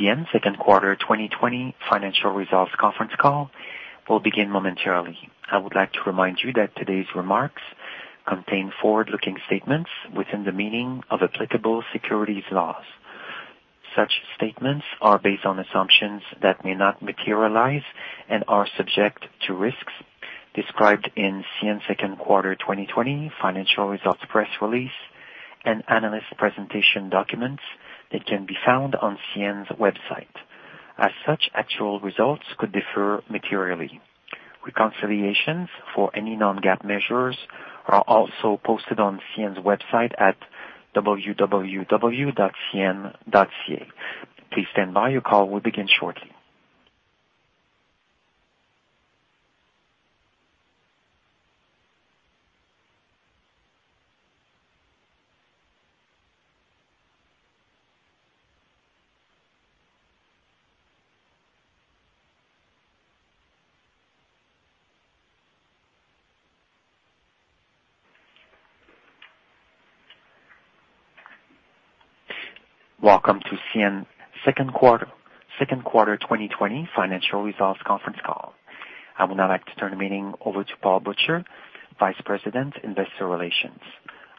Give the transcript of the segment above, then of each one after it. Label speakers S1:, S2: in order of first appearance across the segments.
S1: CN second quarter 2020 financial results conference call will begin momentarily. I would like to remind you that today's remarks contain forward-looking statements within the meaning of applicable securities laws. Such statements are based on assumptions that may not materialize and are subject to risks described in CN second quarter 2020 financial results press release and analyst presentation documents that can be found on CN's website. As such, actual results could differ materially. Reconciliations for any non-GAAP measures are also posted on CN's website at www.cn.ca. Please stand by. Your call will begin shortly. Welcome to CN second quarter 2020 financial results conference call. I would now like to turn the meeting over to Paul Butcher, Vice President, Investor Relations.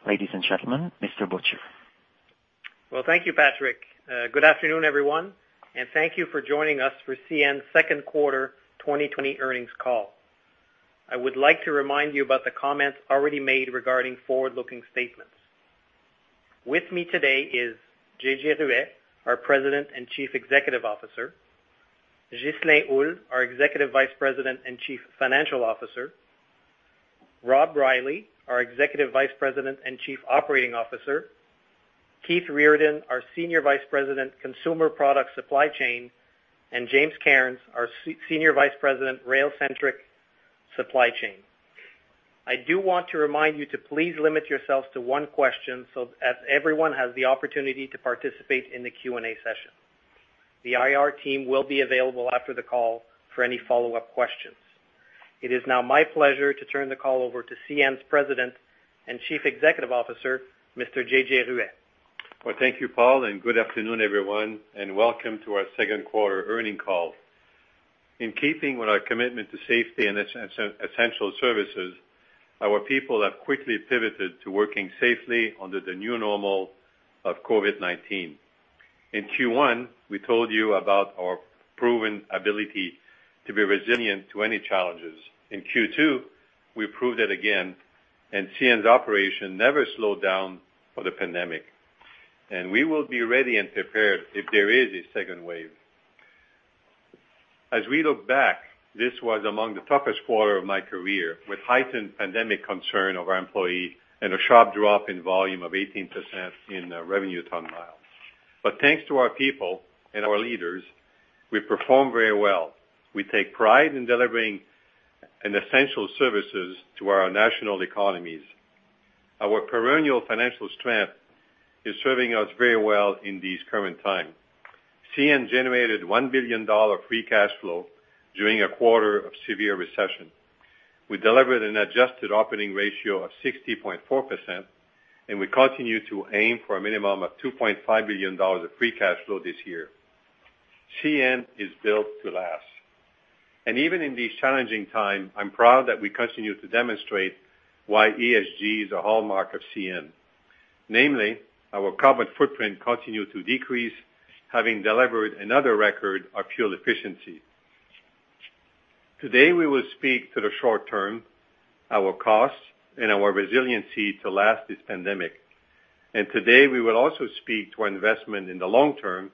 S1: Ladies and gentlemen, Mr. Butcher.
S2: Well, thank you, Patrick. Good afternoon, everyone, and thank you for joining us for CN's second quarter 2020 earnings call. I would like to remind you about the comments already made regarding forward-looking statements. With me today is Jean-Jacques Ruest, our President and Chief Executive Officer, Ghislain Houle, our Executive Vice President and Chief Financial Officer, Rob Reilly, our Executive Vice President and Chief Operating Officer, Keith Reardon, our Senior Vice President, Consumer Products Supply Chain, and James Cairns, our Senior Vice President, Rail Centric Supply Chain. I do want to remind you to please limit yourselves to one question so that everyone has the opportunity to participate in the Q&A session. The IR team will be available after the call for any follow-up questions. It is now my pleasure to turn the call over to CN's President and Chief Executive Officer, Mr. Jean-Jacques Ruest.
S3: Well, thank you, Paul, good afternoon, everyone, and welcome to our second quarter earnings call. In keeping with our commitment to safety and essential services, our people have quickly pivoted to working safely under the new normal of COVID-19. In Q1, we told you about our proven ability to be resilient to any challenges. In Q2, we proved it again, CN's operation never slowed down for the pandemic. We will be ready and prepared if there is a second wave. As we look back, this was among the toughest quarter of my career, with heightened pandemic concern of our employee and a sharp drop in volume of 18% in Revenue Ton-Mile. Thanks to our people and our leaders, we performed very well. We take pride in delivering an essential services to our national economies. Our perennial financial strength is serving us very well in these current times. CN generated 1 billion dollar free cash flow during a quarter of severe recession. We delivered an adjusted operating ratio of 60.4%. We continue to aim for a minimum of 2.5 billion dollars of free cash flow this year. CN is built to last. Even in these challenging times, I'm proud that we continue to demonstrate why ESG is a hallmark of CN. Namely, our carbon footprint continues to decrease, having delivered another record of pure efficiency. Today, we will speak to the short term, our costs, and our resiliency to last this pandemic. Today, we will also speak to our investment in the long term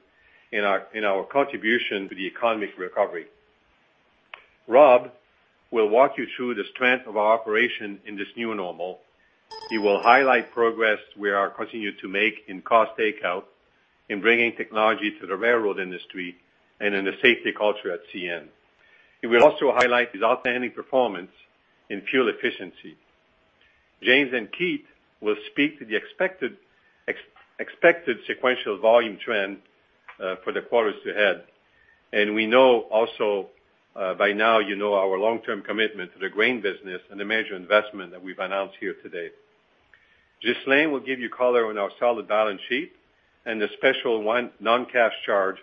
S3: in our contribution to the economic recovery. Rob will walk you through the strength of our operation in this new normal. He will highlight progress we are continued to make in cost takeout, in bringing technology to the railroad industry, and in the safety culture at CN. He will also highlight his outstanding performance in fuel efficiency. James and Keith will speak to the expected sequential volume trend for the quarters ahead. We know also by now you know our long-term commitment to the grain business and the major investment that we've announced here today. Ghislain will give you color on our solid balance sheet and the special one non-cash charge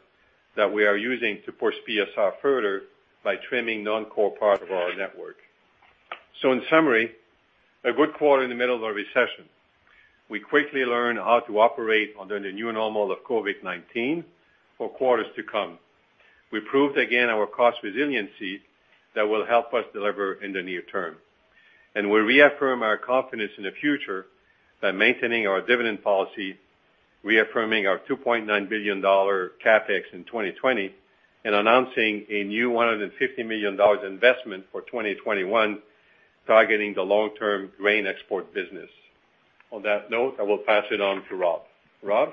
S3: that we are using to push PSR further by trimming non-core part of our network. In summary, a good quarter in the middle of a recession. We quickly learn how to operate under the new normal of COVID-19 for quarters to come. We proved again our cost resiliency that will help us deliver in the near term. We reaffirm our confidence in the future by maintaining our dividend policy, reaffirming our 2.9 billion dollar CapEx in 2020, and announcing a new 150 million dollars investment for 2021 targeting the long-term grain export business. On that note, I will pass it on to Rob. Rob?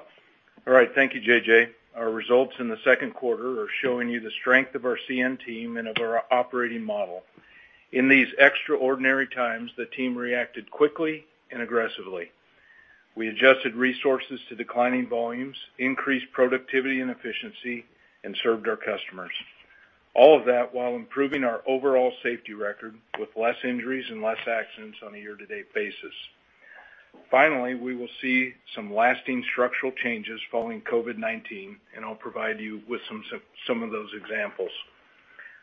S4: All right. Thank you, JJ. Our results in the second quarter are showing you the strength of our CN team and of our operating model. In these extraordinary times, the team reacted quickly and aggressively. We adjusted resources to declining volumes, increased productivity and efficiency, and served our customers. All of that while improving our overall safety record with less injuries and less accidents on a year-to-date basis. Finally, we will see some lasting structural changes following COVID-19, and I'll provide you with some of those examples.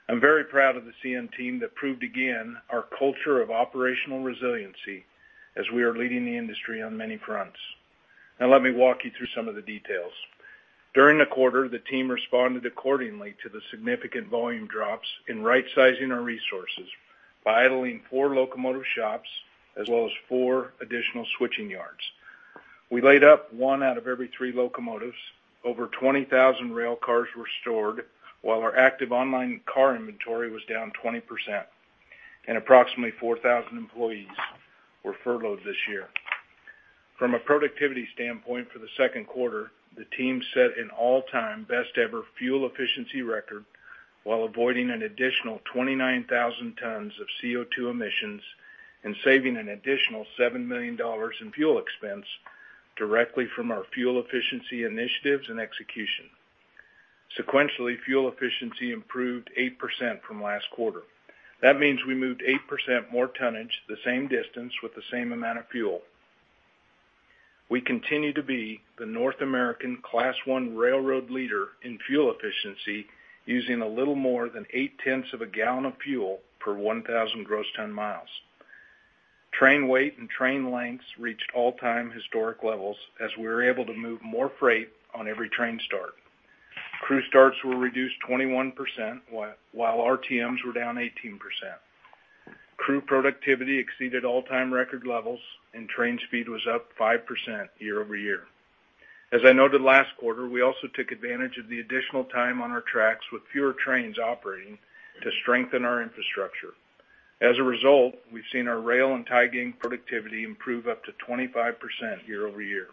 S4: I'm very proud of the CN team that proved again our culture of operational resiliency as we are leading the industry on many fronts. Now let me walk you through some of the details. During the quarter, the team responded accordingly to the significant volume drops in rightsizing our resources by idling four locomotive shops as well as four additional switching yards. We laid up one out of every three locomotives. Over 20,000 rail cars were stored while our active online car inventory was down 20%, and approximately 4,000 employees were furloughed this year. From a productivity standpoint for the second quarter, the team set an all time best ever fuel efficiency record while avoiding an additional 29,000 tons of CO2 emissions and saving an additional 7 million dollars in fuel expense directly from our fuel efficiency initiatives and execution. Sequentially, fuel efficiency improved 8% from last quarter. That means we moved 8% more tonnage, the same distance with the same amount of fuel. We continue to be the North American Class I railroad leader in fuel efficiency, using a little more than eight-tenths of a gallon of fuel per 1,000 gross ton miles. Train weight and train lengths reached all-time historic levels as we were able to move more freight on every train start. Crew starts were reduced 21% while RTMs were down 18%. Crew productivity exceeded all-time record levels, and train speed was up 5% year-over-year. As I noted last quarter, we also took advantage of the additional time on our tracks with fewer trains operating to strengthen our infrastructure. As a result, we've seen our rail and tie gang productivity improve up to 25% year-over-year.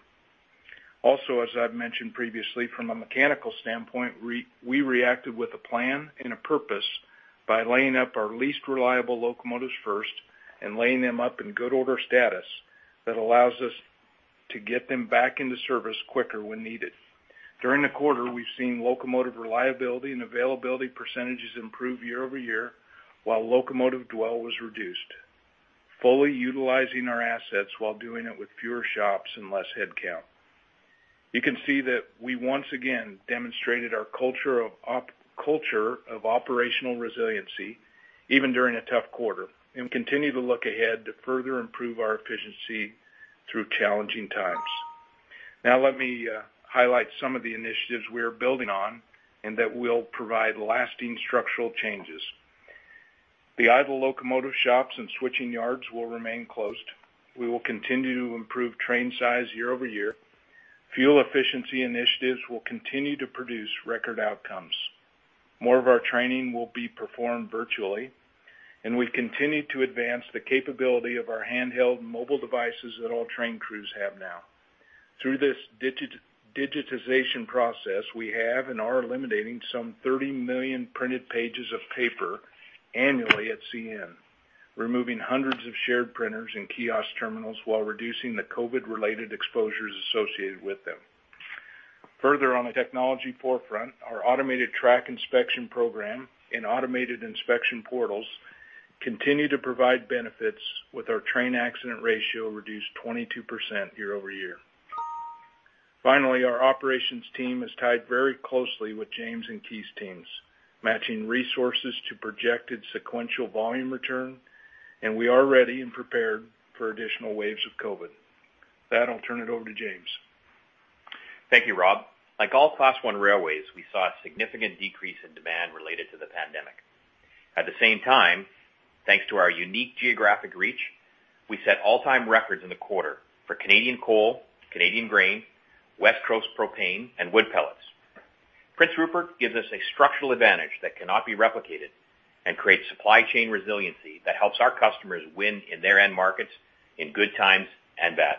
S4: As I've mentioned previously, from a mechanical standpoint, we reacted with a plan and a purpose by laying up our least reliable locomotives first and laying them up in good order status that allows us to get them back into service quicker when needed. During the quarter, we've seen locomotive reliability and availability percentages improve year-over-year, while locomotive dwell was reduced, fully utilizing our assets while doing it with fewer shops and less headcount. You can see that we once again demonstrated our culture of operational resiliency even during a tough quarter, and continue to look ahead to further improve our efficiency through challenging times. Let me highlight some of the initiatives we are building on and that will provide lasting structural changes. The idle locomotive shops and switching yards will remain closed. We will continue to improve train size year-over-year. Fuel efficiency initiatives will continue to produce record outcomes. More of our training will be performed virtually, and we've continued to advance the capability of our handheld mobile devices that all train crews have now. Through this digitization process, we have and are eliminating some 30 million printed pages of paper annually at CN, removing hundreds of shared printers and kiosk terminals while reducing the COVID-related exposures associated with them. Further, on the technology forefront, our automated track inspection program and automated inspection portals continue to provide benefits with our train accident ratio reduced 22% year-over-year. Finally, our operations team is tied very closely with James and Keith's teams, matching resources to projected sequential volume return, and we are ready and prepared for additional waves of COVID. With that, I'll turn it over to James.
S5: Thank you, Rob. Like all Class I railways, we saw a significant decrease in demand related to the pandemic. At the same time, thanks to our unique geographic reach, we set all-time records in the quarter for Canadian coal, Canadian grain, West Coast propane, and wood pellets. Prince Rupert gives us a structural advantage that cannot be replicated and creates supply chain resiliency that helps our customers win in their end markets in good times and bad.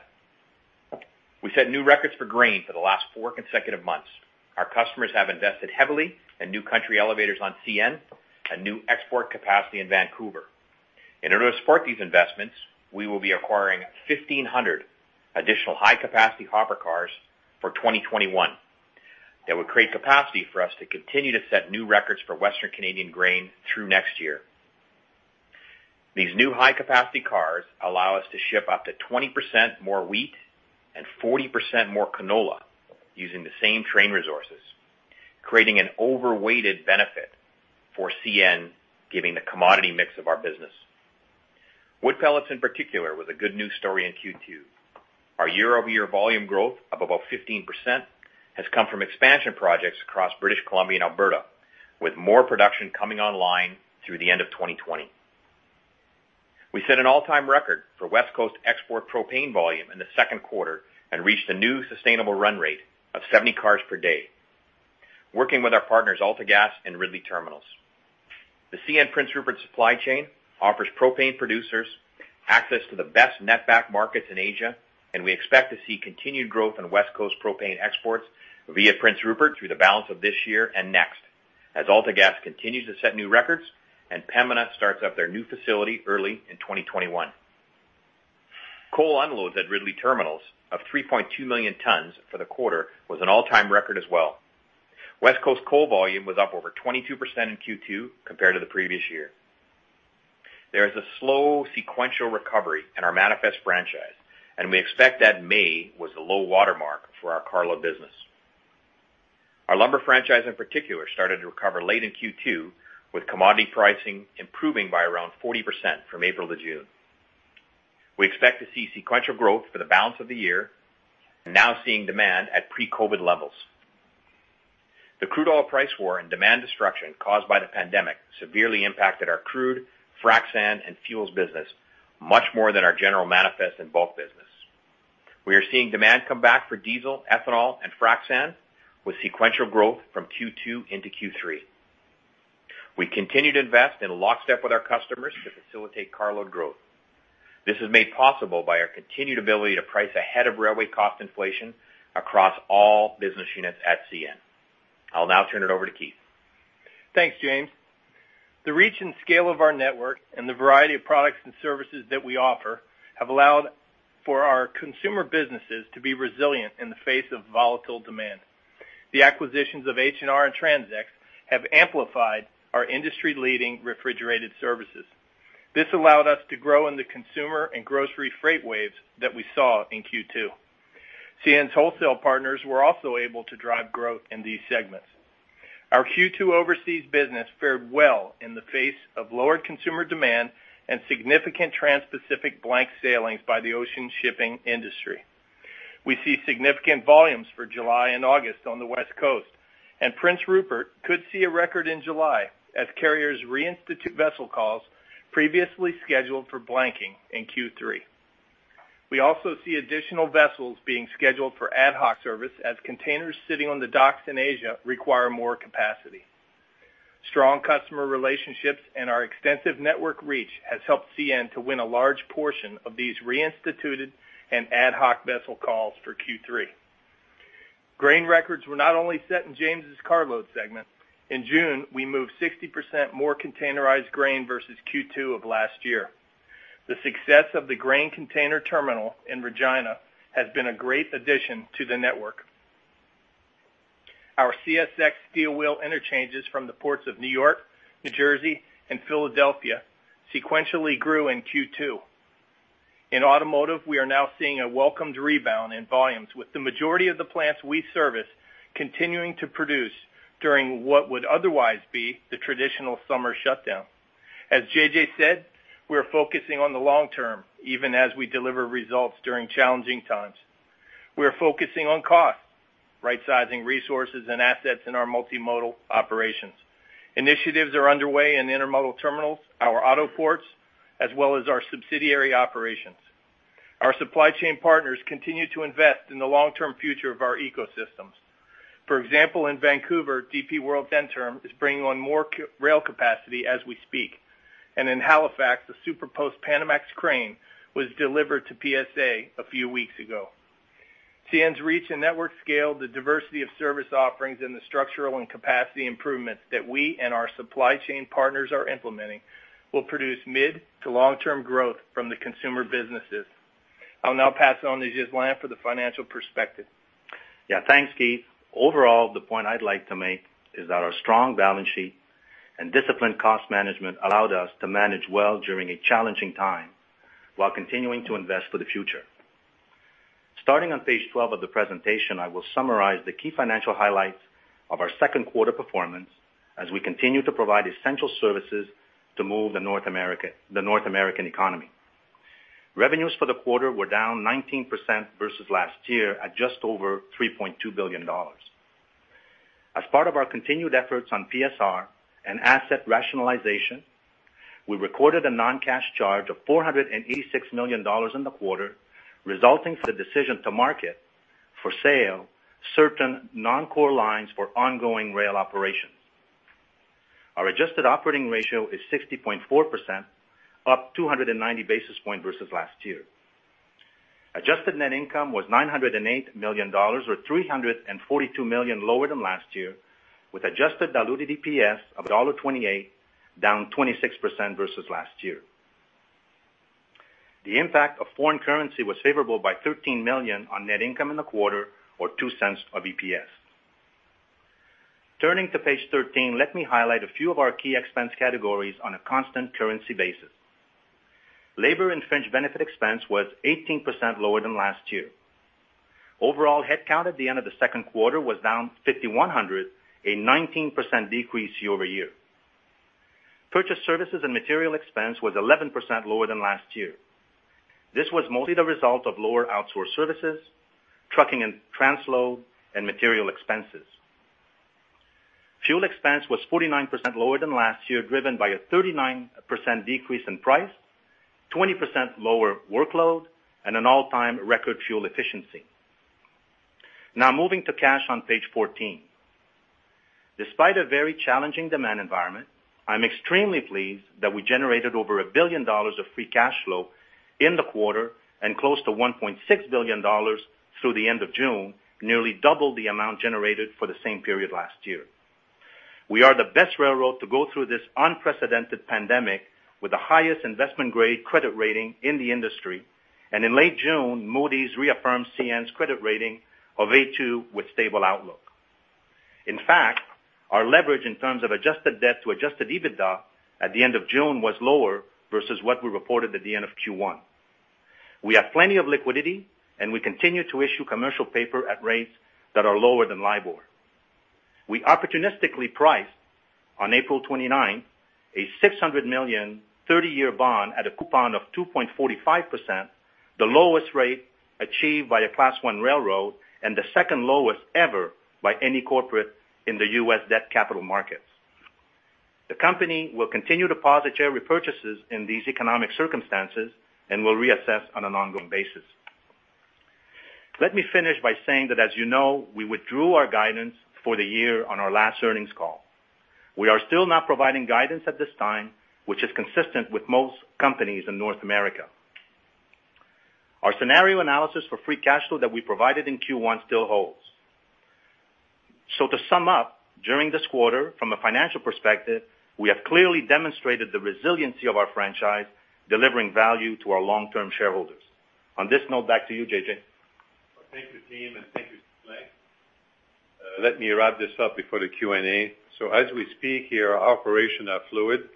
S5: We set new records for grain for the last four consecutive months. Our customers have invested heavily in new country elevators on CN and new export capacity in Vancouver. In order to support these investments, we will be acquiring 1,500 additional high-capacity hopper cars for 2021 that would create capacity for us to continue to set new records for Western Canadian grain through next year. These new high capacity cars allow us to ship up to 20% more wheat and 40% more canola using the same train resources, creating an overweighted benefit for CN, giving the commodity mix of our business. Wood pellets in particular was a good news story in Q2. Our year-over-year volume growth of about 15% has come from expansion projects across British Columbia and Alberta, with more production coming online through the end of 2020. We set an all-time record for West Coast export propane volume in the second quarter and reached a new sustainable run rate of 70 cars per day, working with our partners AltaGas and Ridley Terminals. The CN Prince Rupert supply chain offers propane producers access to the best net back markets in Asia. We expect to see continued growth in West Coast propane exports via Prince Rupert through the balance of this year and next as AltaGas continues to set new records and Pembina starts up their new facility early in 2021. Coal unloads at Ridley Terminals of 3.2 million tons for the quarter was an all time record as well. West Coast coal volume was up over 22% in Q2 compared to the previous year. There is a slow sequential recovery in our manifest franchise. We expect that May was the low water mark for our cargo business. Our lumber franchise in particular started to recover late in Q2, with commodity pricing improving by around 40% from April to June. We expect to see sequential growth for the balance of the year and now seeing demand at pre-COVID-19 levels. The crude oil price war and demand destruction caused by the pandemic severely impacted our crude, frac sand, and fuels business much more than our general manifest and bulk business. We are seeing demand come back for diesel, ethanol, and frac sand, with sequential growth from Q2 into Q3. We continue to invest in lockstep with our customers to facilitate carload growth. This is made possible by our continued ability to price ahead of railway cost inflation across all business units at CN. I'll now turn it over to Keith.
S6: Thanks, James. The reach and scale of our network and the variety of products and services that we offer have allowed for our consumer businesses to be resilient in the face of volatile demand. The acquisitions of H&R and TransX have amplified our industry-leading refrigerated services. This allowed us to grow in the consumer and grocery freight waves that we saw in Q2. CN's wholesale partners were also able to drive growth in these segments. Our Q2 overseas business fared well in the face of lower consumer demand and significant transpacific blank sailings by the ocean shipping industry. We see significant volumes for July and August on the West Coast, and Prince Rupert could see a record in July as carriers reinstitute vessel calls previously scheduled for blanking in Q3. We also see additional vessels being scheduled for ad hoc service as containers sitting on the docks in Asia require more capacity. Strong customer relationships and our extensive network reach has helped CN to win a large portion of these reinstituted and ad hoc vessel calls for Q3. Grain records were not only set in James' carload segment. In June, we moved 60% more containerized grain versus Q2 of last year. The success of the grain container terminal in Regina has been a great addition to the network. Our CSX steel wheel interchanges from the ports of New York, New Jersey, and Philadelphia sequentially grew in Q2. In automotive, we are now seeing a welcomed rebound in volumes with the majority of the plants we service continuing to produce during what would otherwise be the traditional summer shutdown. As JJ said, we are focusing on the long term, even as we deliver results during challenging times. We are focusing on cost, rightsizing resources and assets in our multimodal operations. Initiatives are underway in intermodal terminals, our auto ports, as well as our subsidiary operations. Our supply chain partners continue to invest in the long-term future of our ecosystems. For example, in Vancouver, DP World Centerm is bringing on more rail capacity as we speak, and in Halifax, the super post Panamax crane was delivered to PSA a few weeks ago. CN's reach and network scale, the diversity of service offerings, and the structural and capacity improvements that we and our supply chain partners are implementing will produce mid to long-term growth from the consumer businesses. I'll now pass on to Ghislain for the financial perspective.
S7: Yeah. Thanks, Keith. Overall, the point I'd like to make is that our strong balance sheet and disciplined cost management allowed us to manage well during a challenging time while continuing to invest for the future. Starting on page 12 of the presentation, I will summarize the key financial highlights of our second quarter performance as we continue to provide essential services to move the North American economy. Revenues for the quarter were down 19% versus last year at just over 3.2 billion dollars. As part of our continued efforts on PSR and asset rationalization, we recorded a non-cash charge of 486 million dollars in the quarter, resulting from the decision to market for sale certain non-core lines for ongoing rail operations. Our adjusted operating ratio is 60.4%, up 290 basis points versus last year. Adjusted net income was 908 million dollars, or 342 million lower than last year, with adjusted diluted EPS of dollar 1.28, down 26% versus last year. The impact of foreign currency was favorable by 13 million on net income in the quarter, or 0.02 of EPS. Turning to page 13, let me highlight a few of our key expense categories on a constant currency basis. Labor and fringe benefit expense was 18% lower than last year. Overall headcount at the end of the second quarter was down 5,100, a 19% decrease year-over-year. Purchase services and material expense was 11% lower than last year. This was mostly the result of lower outsource services, trucking and transload, and material expenses. Fuel expense was 49% lower than last year, driven by a 39% decrease in price, 20% lower workload, and an all-time record fuel efficiency. Now, moving to cash on page 14. Despite a very challenging demand environment, I am extremely pleased that we generated over 1 billion dollars of free cash flow in the quarter and close to 1.6 billion dollars through the end of June, nearly double the amount generated for the same period last year. We are the best railroad to go through this unprecedented pandemic with the highest investment-grade credit rating in the industry. In late June, Moody's reaffirmed CN's credit rating of A2 with stable outlook. In fact, our leverage in terms of adjusted debt to adjusted EBITDA at the end of June was lower versus what we reported at the end of Q1. We have plenty of liquidity, we continue to issue commercial paper at rates that are lower than LIBOR. We opportunistically priced on April 29th, a 600 million 30-year bond at a coupon of 2.45%, the lowest rate achieved by a Class I railroad and the second lowest ever by any corporate in the U.S. debt capital markets. The company will continue to posit share repurchases in these economic circumstances and will reassess on an ongoing basis. Let me finish by saying that, as you know, we withdrew our guidance for the year on our last earnings call. We are still not providing guidance at this time, which is consistent with most companies in North America. Our scenario analysis for free cash flow that we provided in Q1 still holds. To sum up, during this quarter, from a financial perspective, we have clearly demonstrated the resiliency of our franchise, delivering value to our long-term shareholders. On this note, back to you, JJ.
S3: Well, thank you, team, and thank you, Ghislain. Let me wrap this up before the Q&A. As we speak here, our operation are fluid.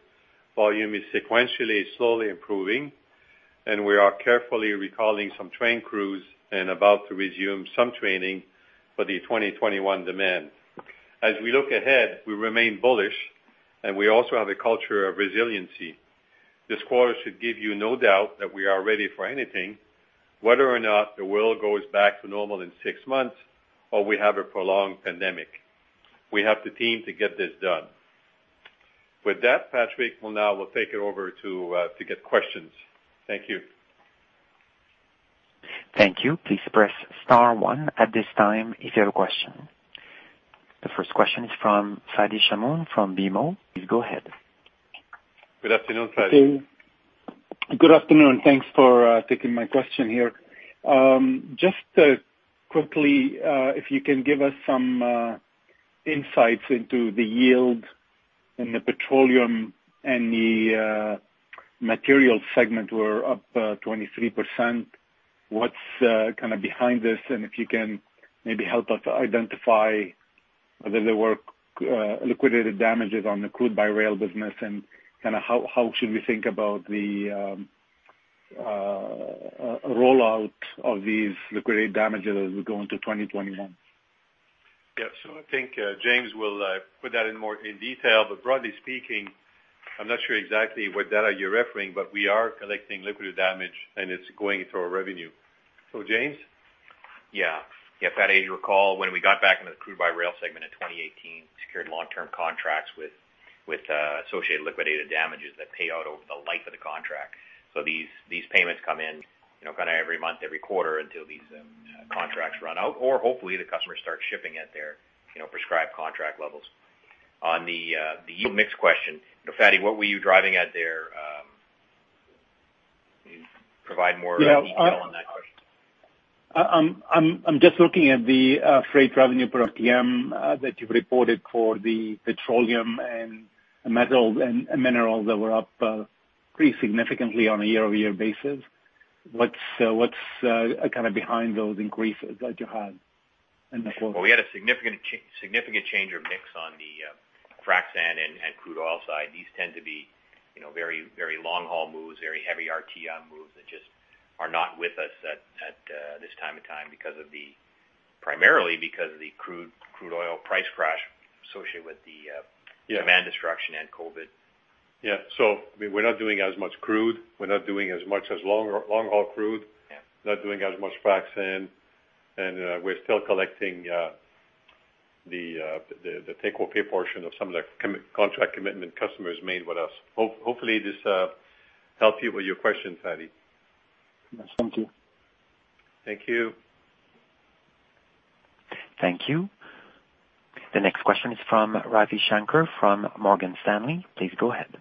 S3: Volume is sequentially slowly improving, and we are carefully recalling some train crews and about to resume some training for the 2021 demand. As we look ahead, we remain bullish, and we also have a culture of resiliency. This quarter should give you no doubt that we are ready for anything, whether or not the world goes back to normal in six months or we have a prolonged pandemic. We have the team to get this done. With that, Patrick will now take it over to get questions. Thank you.
S1: Thank you. Please press star one at this time if you have a question. The first question is from Fadi Chamoun from BMO. Please go ahead.
S3: Good afternoon, Fadi.
S8: Good afternoon. Thanks for taking my question here. Just quickly, if you can give us some insights into the yield and the petroleum and the materials segment were up 23%. What's behind this? If you can maybe help us identify whether there were liquidated damages on the crude by rail business and how should we think about the rollout of these liquidated damages as we go into 2021?
S3: I think James will put that in more in detail. Broadly speaking, I'm not sure exactly what data you're referring, but we are collecting liquid damage, and it's going into our revenue. James?
S5: Yeah. Fadi, as you recall, when we got back into the crude by rail segment in 2018, secured long-term contracts with associated liquidated damages that pay out over the life of the contract. These payments come in every month, every quarter until these contracts run out, or hopefully the customers start shipping at their prescribed contract levels. On the yield mix question, Fadi, what were you driving at there? Can you provide more detail on that question?
S8: I'm just looking at the freight revenue per RTM that you've reported for the petroleum and metals and minerals that were up pretty significantly on a year-over-year basis. What's behind those increases that you had in the quarter?
S5: Well, we had a significant change of mix on the frac sand and crude oil side. These tend to be very long-haul moves, very heavy RTM moves that just are not with us at this point in time primarily because of the crude oil price crash associated with the demand destruction and COVID.
S3: Yeah. We're not doing as much crude. We're not doing as much as long-haul crude.
S5: Yeah.
S3: Not doing as much frac sand, we're still collecting the take-or-pay portion of some of the contract commitment customers made with us. Hopefully, this helps you with your question, Fadi.
S8: Yes. Thank you.
S3: Thank you.
S1: Thank you. The next question is from Ravi Shanker from Morgan Stanley. Please go ahead.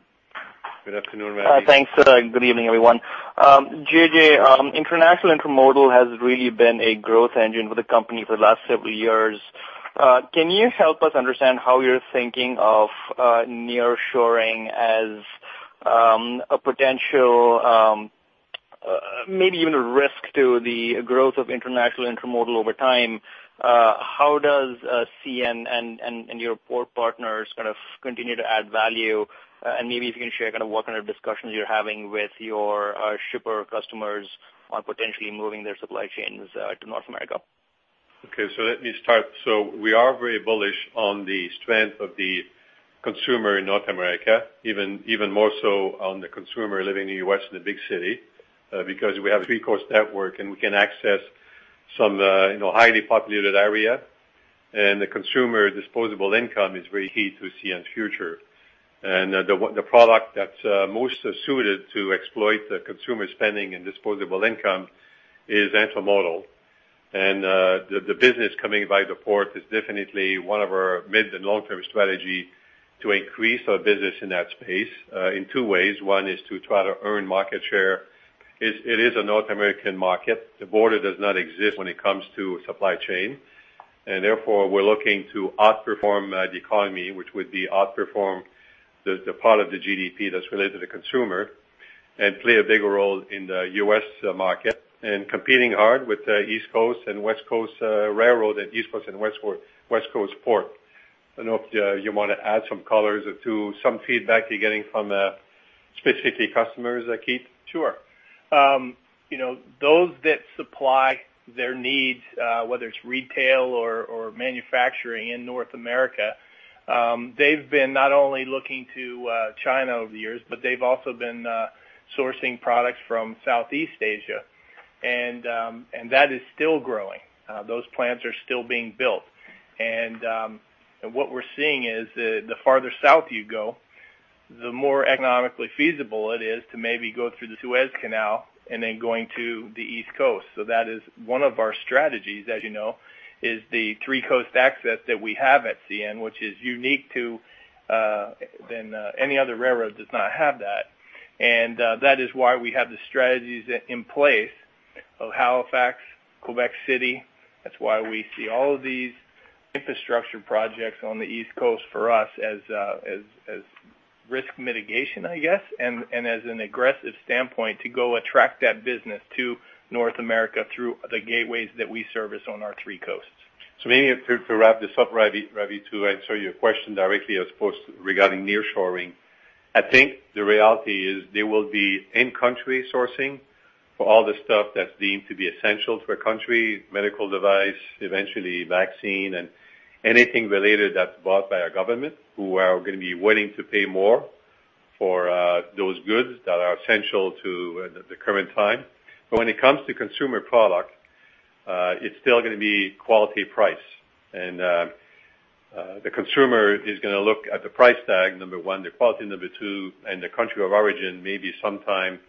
S3: Good afternoon, Ravi.
S9: Thanks. Good evening, everyone. J.J., international intermodal has really been a growth engine for the company for the last several years. Can you help us understand how you're thinking of nearshoring as a potential, maybe even a risk to the growth of international intermodal over time? How does CN and your port partners continue to add value? Maybe if you can share what kind of discussions you're having with your shipper customers on potentially moving their supply chains to North America.
S3: Okay. Let me start. We are very bullish on the strength of the consumer in North America, even more so on the consumer living in the U.S. in the big city, because we have a three-coast network, and we can access some highly populated area. The consumer disposable income is very key to CN's future. The product that's most suited to exploit the consumer spending and disposable income is intermodal. The business coming by the port is definitely one of our mid and long-term strategy to increase our business in that space in two ways. One is to try to earn market share. It is a North American market. The border does not exist when it comes to supply chain, and therefore we're looking to outperform the economy, which would be outperform the part of the GDP that's related to consumer. Play a bigger role in the U.S. market and competing hard with the East Coast and West Coast railroad and East Coast and West Coast port. I don't know if you want to add some colors to some feedback you're getting from specifically customers, Keith?
S6: Sure. Those that supply their needs, whether it's retail or manufacturing in North America, they've been not only looking to China over the years, but they've also been sourcing products from Southeast Asia, and that is still growing. Those plants are still being built. What we're seeing is the farther south you go, the more economically feasible it is to maybe go through the Suez Canal and then going to the East Coast. That is one of our strategies, as you know, is the three coast access that we have at CN, which any other railroad does not have that. That is why we have the strategies in place of Halifax, Quebec City. That is why we see all of these infrastructure projects on the East Coast for us as risk mitigation, I guess, and as an aggressive standpoint to go attract that business to North America through the gateways that we service on our three coasts.
S3: Maybe to wrap this up, Ravi, to answer your question directly, as opposed regarding nearshoring. I think the reality is there will be in-country sourcing for all the stuff that's deemed to be essential to a country, medical device, eventually vaccine, and anything related that's bought by our government, who are going to be willing to pay more for those goods that are essential to the current time. When it comes to consumer product, it's still going to be quality price. The consumer is going to look at the price tag, number one, the quality, number two, and the country of origin, maybe sometime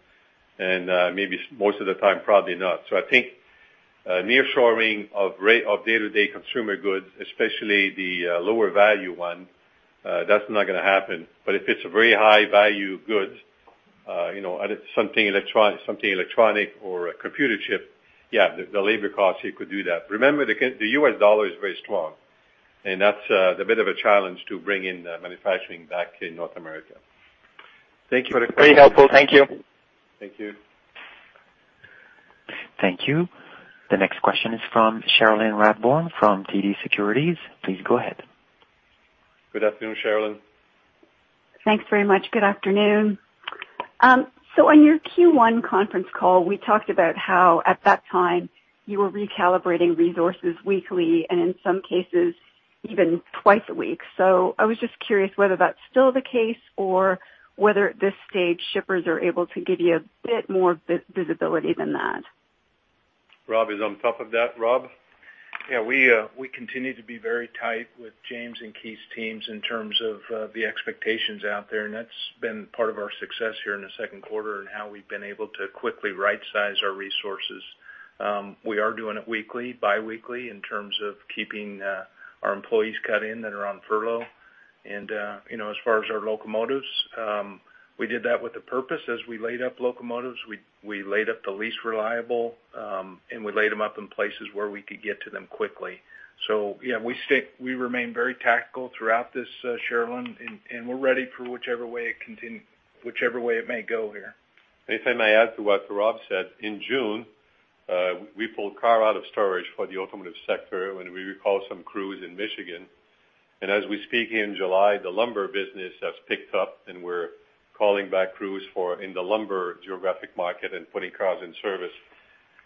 S3: and maybe most of the time, probably not. I think nearshoring of day-to-day consumer goods, especially the lower value one, that's not going to happen. If it's a very high value good, something electronic or a computer chip, yeah, the labor cost, you could do that. Remember, the US dollar is very strong, and that's a bit of a challenge to bring in manufacturing back in North America. Thank you.
S9: Very helpful. Thank you.
S3: Thank you.
S1: Thank you. The next question is from Cherilyn Radbourne from TD Securities. Please go ahead.
S3: Good afternoon, Cherilyn.
S10: Thanks very much. Good afternoon. On your Q1 conference call, we talked about how at that time you were recalibrating resources weekly and in some cases even twice a week. I was just curious whether that's still the case or whether at this stage, shippers are able to give you a bit more visibility than that.
S3: Rob is on top of that. Rob?
S4: Yeah, we continue to be very tight with James and Keith's teams in terms of the expectations out there, and that's been part of our success here in the second quarter and how we've been able to quickly right-size our resources. We are doing it weekly, biweekly, in terms of keeping our employees cut in that are on furlough. As far as our locomotives, we did that with a purpose. As we laid up locomotives, we laid up the least reliable, and we laid them up in places where we could get to them quickly. Yeah, we remain very tactical throughout this, Cherilyn, and we're ready for whichever way it may go here.
S3: If I may add to what Rob said, in June, we pulled car out of storage for the automotive sector when we recalled some crews in Michigan. As we speak, in July, the lumber business has picked up, and we are calling back crews in the lumber geographic market and putting cars in service.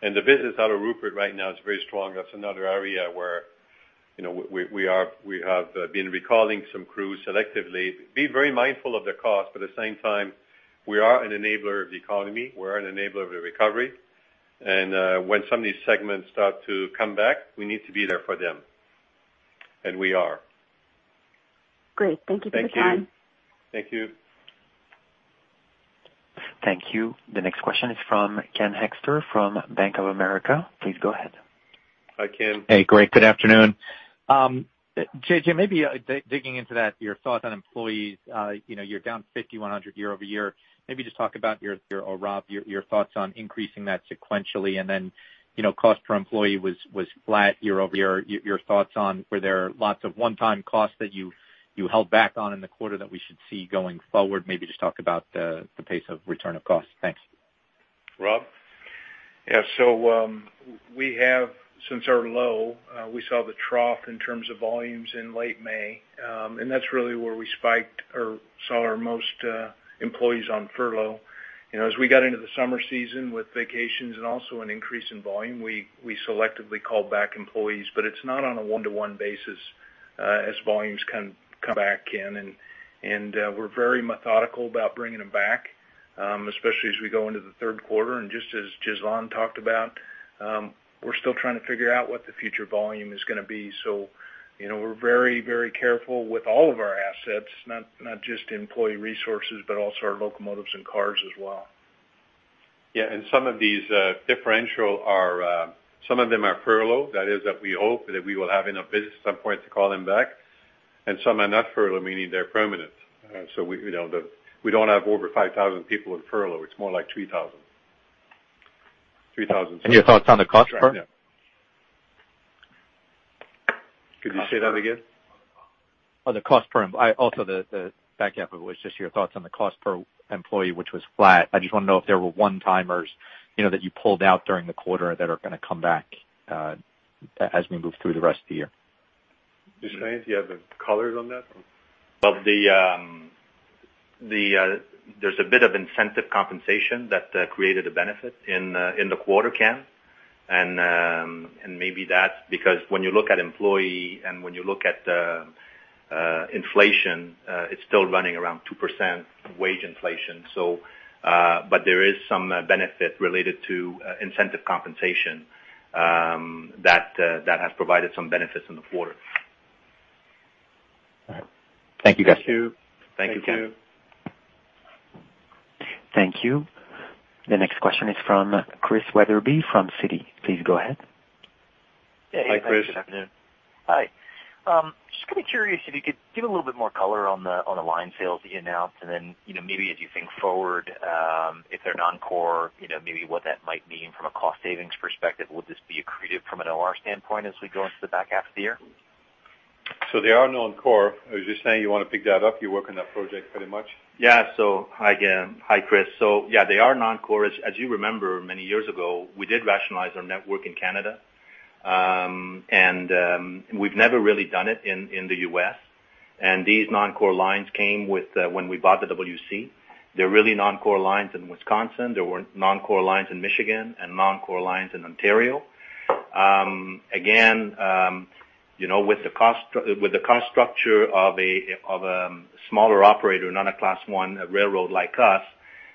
S3: The business out of Rupert right now is very strong. That is another area where we have been recalling some crews selectively, being very mindful of their cost. At the same time, we are an enabler of the economy, we are an enabler of the recovery, and when some of these segments start to come back, we need to be there for them, and we are.
S10: Great. Thank you for the time.
S3: Thank you.
S1: Thank you. The next question is from Ken Hoexter from Bank of America. Please go ahead.
S3: Hi, Ken.
S11: Hey. Great, good afternoon. JJ, maybe digging into that, your thoughts on employees. You're down 5,100 year-over-year. Maybe just talk about your or Rob, your thoughts on increasing that sequentially, and then cost per employee was flat year-over-year. Your thoughts on, were there lots of one-time costs that you held back on in the quarter that we should see going forward? Maybe just talk about the pace of return of costs. Thanks.
S3: Rob?
S4: We have, since our low, we saw the trough in terms of volumes in late May, and that's really where we spiked or saw our most employees on furlough. As we got into the summer season with vacations and also an increase in volume, we selectively called back employees, but it's not on a one-to-one basis as volumes come back in, and we're very methodical about bringing them back, especially as we go into the third quarter. Just as Ghislain talked about, we're still trying to figure out what the future volume is going to be. We're very, very careful with all of our assets, not just employee resources, but also our locomotives and cars as well.
S3: Yeah, some of them are furlough. That is, we hope that we will have enough business at some point to call them back. Some are not furlough, meaning they're permanent. We don't have over 5,000 people on furlough. It's more like 3,000.
S11: Your thoughts on the cost part?
S3: Can you say that again?
S11: Oh, the cost per also the back half of it was just your thoughts on the cost per employee, which was flat. I just want to know if there were one-timers that you pulled out during the quarter that are going to come back as we move through the rest of the year.
S3: Ghislain, do you have any colors on that?
S7: Well, there's a bit of incentive compensation that created a benefit in the quarter, Ken. Maybe that's because when you look at employee and when you look at inflation, it's still running around 2% wage inflation. There is some benefit related to incentive compensation that has provided some benefits in the quarter.
S11: All right. Thank you, guys.
S3: Thank you.
S7: Thank you, Ken.
S1: Thank you. The next question is from Chris Wetherbee from Citi. Please go ahead.
S7: Hi, Chris. Good afternoon.
S12: Hi. Just going to be curious if you could give a little bit more color on the line sales that you announced and then, maybe as you think forward, if they're non-core, maybe what that might mean from a cost savings perspective. Will this be accretive from an OR standpoint as we go into the back half of the year?
S3: They are non-core. Ghislain, you want to pick that up? You work on that project pretty much.
S7: Hi, Chris. Yeah, they are non-core. As you remember, many years ago, we did rationalize our network in Canada. We've never really done it in the U.S. These non-core lines came when we bought the WC. They're really non-core lines in Wisconsin. There were non-core lines in Michigan and non-core lines in Ontario. Again, with the cost structure of a smaller operator, not a Class I railroad like us,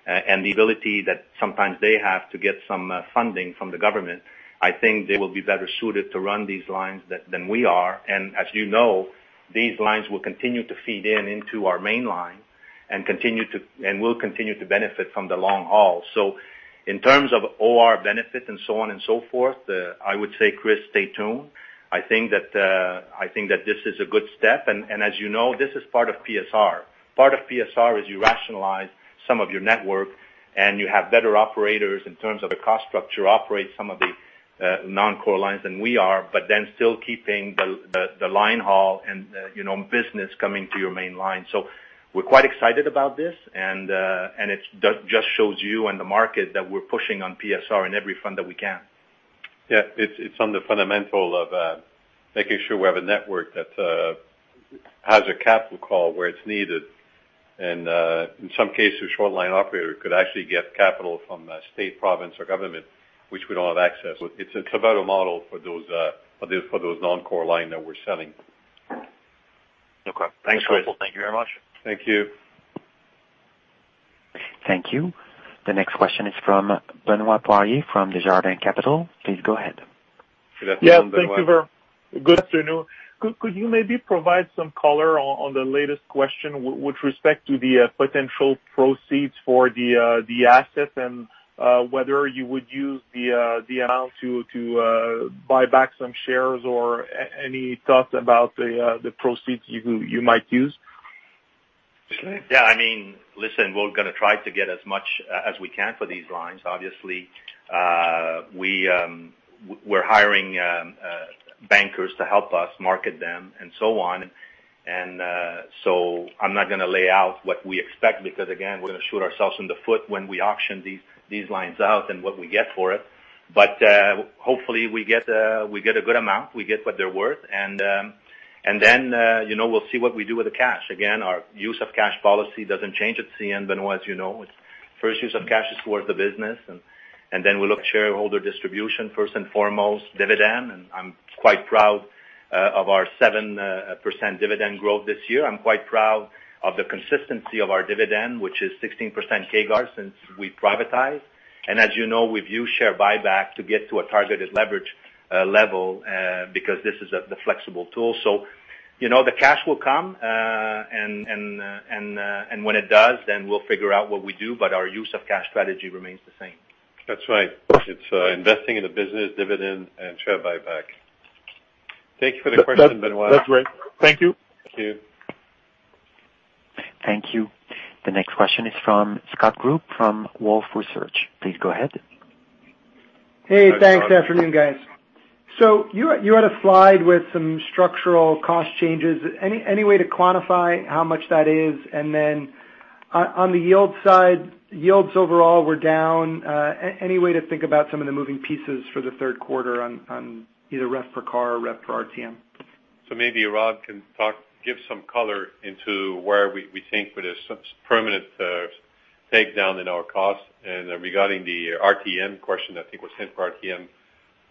S7: and the ability that sometimes they have to get some funding from the government, I think they will be better suited to run these lines than we are. As you know, these lines will continue to feed into our main line and will continue to benefit from the long haul. In terms of OR benefit and so on and so forth, I would say, Chris, stay tuned. I think that this is a good step. As you know, this is part of PSR. Part of PSR is you rationalize some of your network, you have better operators in terms of the cost structure, operate some of the non-core lines than we are, still keeping the line haul and business coming to your main line. We're quite excited about this, it just shows you and the market that we're pushing on PSR in every front that we can.
S3: Yeah. It's on the fundamental of making sure we have a network that has a capital call where it's needed. In some cases, short line operator could actually get capital from a state province or government, which we don't have access with. It's a better model for those non-core line that we're selling.
S12: No problem. Thanks.
S3: Thanks, Chris.
S12: Thank you very much.
S3: Thank you.
S1: Thank you. The next question is from Benoit Poirier from Desjardins Capital. Please go ahead.
S3: Good afternoon, Benoit.
S13: Yeah. Thank you. Good afternoon. Could you maybe provide some color on the latest question with respect to the potential proceeds for the assets and whether you would use the amount to buy back some shares or any thoughts about the proceeds you might use?
S3: [Ghislain]?
S7: Yeah. Listen, we're going to try to get as much as we can for these lines. Obviously, we're hiring bankers to help us market them and so on. I'm not going to lay out what we expect because, again, we're going to shoot ourselves in the foot when we auction these lines out and what we get for it. Hopefully, we get a good amount, we get what they're worth. We'll see what we do with the cash. Again, our use of cash policy doesn't change at CN, Benoit, as you know. First use of cash is for the business, and then we look shareholder distribution, first and foremost, dividend. I'm quite proud of our 7% dividend growth this year. I'm quite proud of the consistency of our dividend, which is 16% CAGR since we privatized. As you know, we view share buyback to get to a targeted leverage level because this is the flexible tool. The cash will come, and when it does, we'll figure out what we do, but our use of cash strategy remains the same.
S3: That's right. It's investing in the business, dividend, and share buyback. Thank you for the question, Benoit.
S13: That's great. Thank you.
S3: Thank you.
S1: Thank you. The next question is from Scott Group from Wolfe Research. Please go ahead.
S14: Hey.
S3: Hi, Scott.
S14: Thanks. Afternoon, guys. You had a slide with some structural cost changes. Any way to quantify how much that is? On the yield side, yields overall were down. Any way to think about some of the moving pieces for the third quarter on either rep per car or rep per RTM?
S3: Maybe Rob can give some color into where we think there's some permanent takedown in our cost. Regarding the RTM question, I think what's in RTM,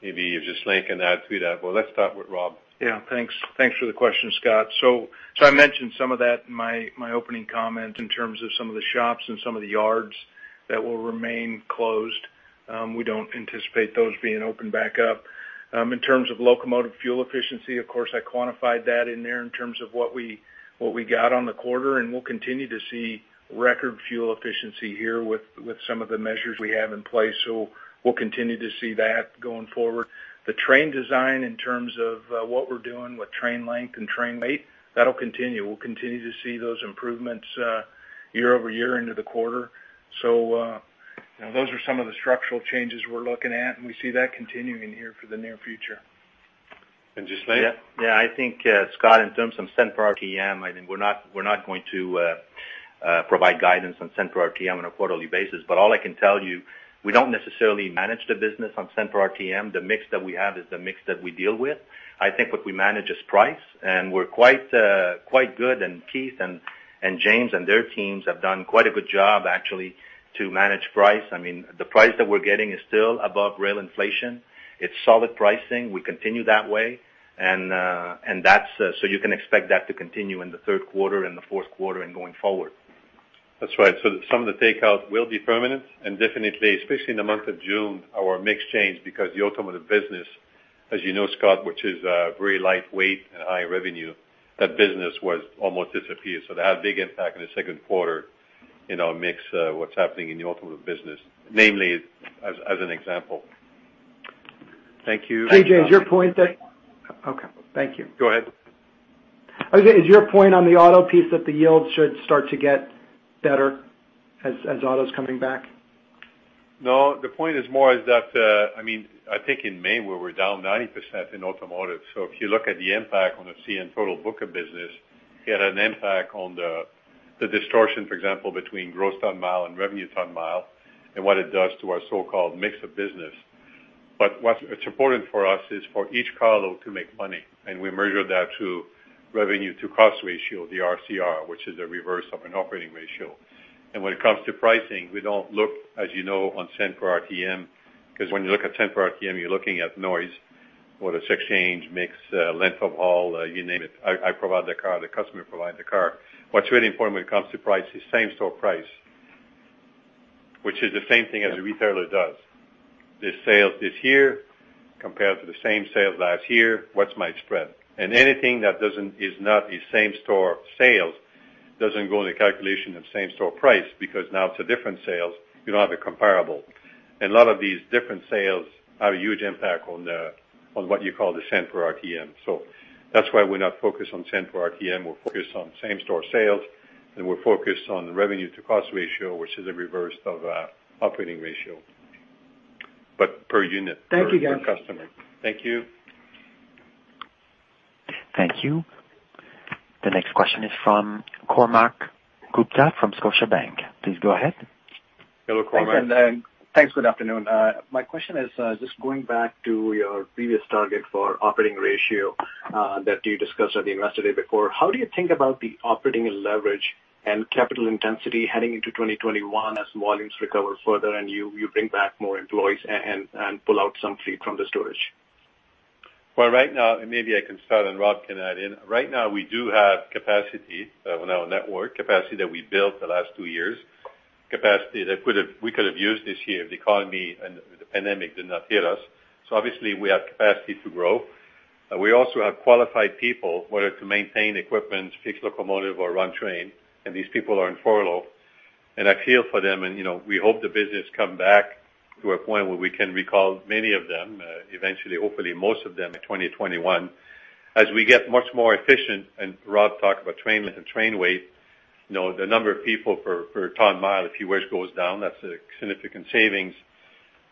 S3: maybe Ghislain can add to that. Let's start with Rob.
S4: Yeah. Thanks for the question, Scott. I mentioned some of that in my opening comments in terms of some of the shops and some of the yards that will remain closed. We don't anticipate those being opened back up. In terms of locomotive fuel efficiency, of course, I quantified that in there in terms of what we got on the quarter, and we'll continue to see record fuel efficiency here with some of the measures we have in place. We'll continue to see that going forward. The train design in terms of what we're doing with train length and train weight, that'll continue. We'll continue to see those improvements year-over-year into the quarter. Those are some of the structural changes we're looking at, and we see that continuing here for the near future.
S3: [Just lay it]?
S7: I think, Scott, in terms of CAD 0.01 per RTM, I think we're not going to provide guidance on CAD 0.01 per RTM on a quarterly basis. All I can tell you, we don't necessarily manage the business on CAD 0.01 per RTM. The mix that we have is the mix that we deal with. I think what we manage is price, and we're quite good, and Keith and James and their teams have done quite a good job, actually, to manage price. The price that we're getting is still above rail inflation. It's solid pricing. We continue that way. You can expect that to continue in the third quarter and the fourth quarter and going forward.
S3: That's right. Some of the takeout will be permanent and definitely, especially in the month of June, our mix changed because the automotive business, as you know, Scott, which is very lightweight and high revenue, that business almost disappeared. That had a big impact in the second quarter, mix of what's happening in the automotive business, namely as an example. Thank you.
S14: JJ, is your point? Okay, thank you.
S3: Go ahead.
S14: Is your point on the auto piece that the yield should start to get better as auto's coming back?
S3: No, the point is more is that, I think in May, we're down 90% in automotive. If you look at the impact on the CN total book of business, it had an impact on the distortion, for example, between gross ton-mile and revenue ton-mile and what it does to our so-called mix of business. What's important for us is for each carload to make money, and we measure that to revenue to cost ratio, the RCR, which is a reverse of an operating ratio. When it comes to pricing, we don't look, as you know, on cent per RTM, because when you look at cent per RTM, you're looking at noise, whether it's exchange, mix, length of haul, you name it. I provide the car, the customer provides the car. What's really important when it comes to price is same-store price, which is the same thing as a retailer does. The sales this year compared to the same sales last year, what's my spread? Anything that is not a same-store sales doesn't go in the calculation of same-store price because now it's a different sales. You don't have a comparable. A lot of these different sales have a huge impact on what you call the cent per RTM. That's why we're not focused on cent per RTM. We're focused on same-store sales, and we're focused on the revenue to cost ratio, which is a reverse of operating ratio.
S14: Thank you, guys.
S3: per customer. Thank you.
S1: Thank you. The next question is from Konark Gupta from Scotiabank. Please go ahead.
S3: Hello, Konark.
S15: Thanks, and thanks. Good afternoon. My question is just going back to your previous target for operating ratio that you discussed with the investor day before. How do you think about the operating leverage and capital intensity heading into 2021 as volumes recover further and you bring back more employees and pull out some fleet from the storage?
S3: Right now, and maybe I can start and Rob can add in. Right now, we do have capacity on our network, capacity that we built the last 2 years, capacity that we could have used this year if the economy and the pandemic did not hit us. Obviously, we have capacity to grow. We also have qualified people, whether to maintain equipment, fix locomotive, or run train, and these people are in furlough, and I feel for them, and we hope the business come back to a point where we can recall many of them, eventually, hopefully, most of them in 2021. As we get much more efficient, and Rob talked about train length and train weight, the number of people per ton mile, if you wish, goes down. That's a significant savings.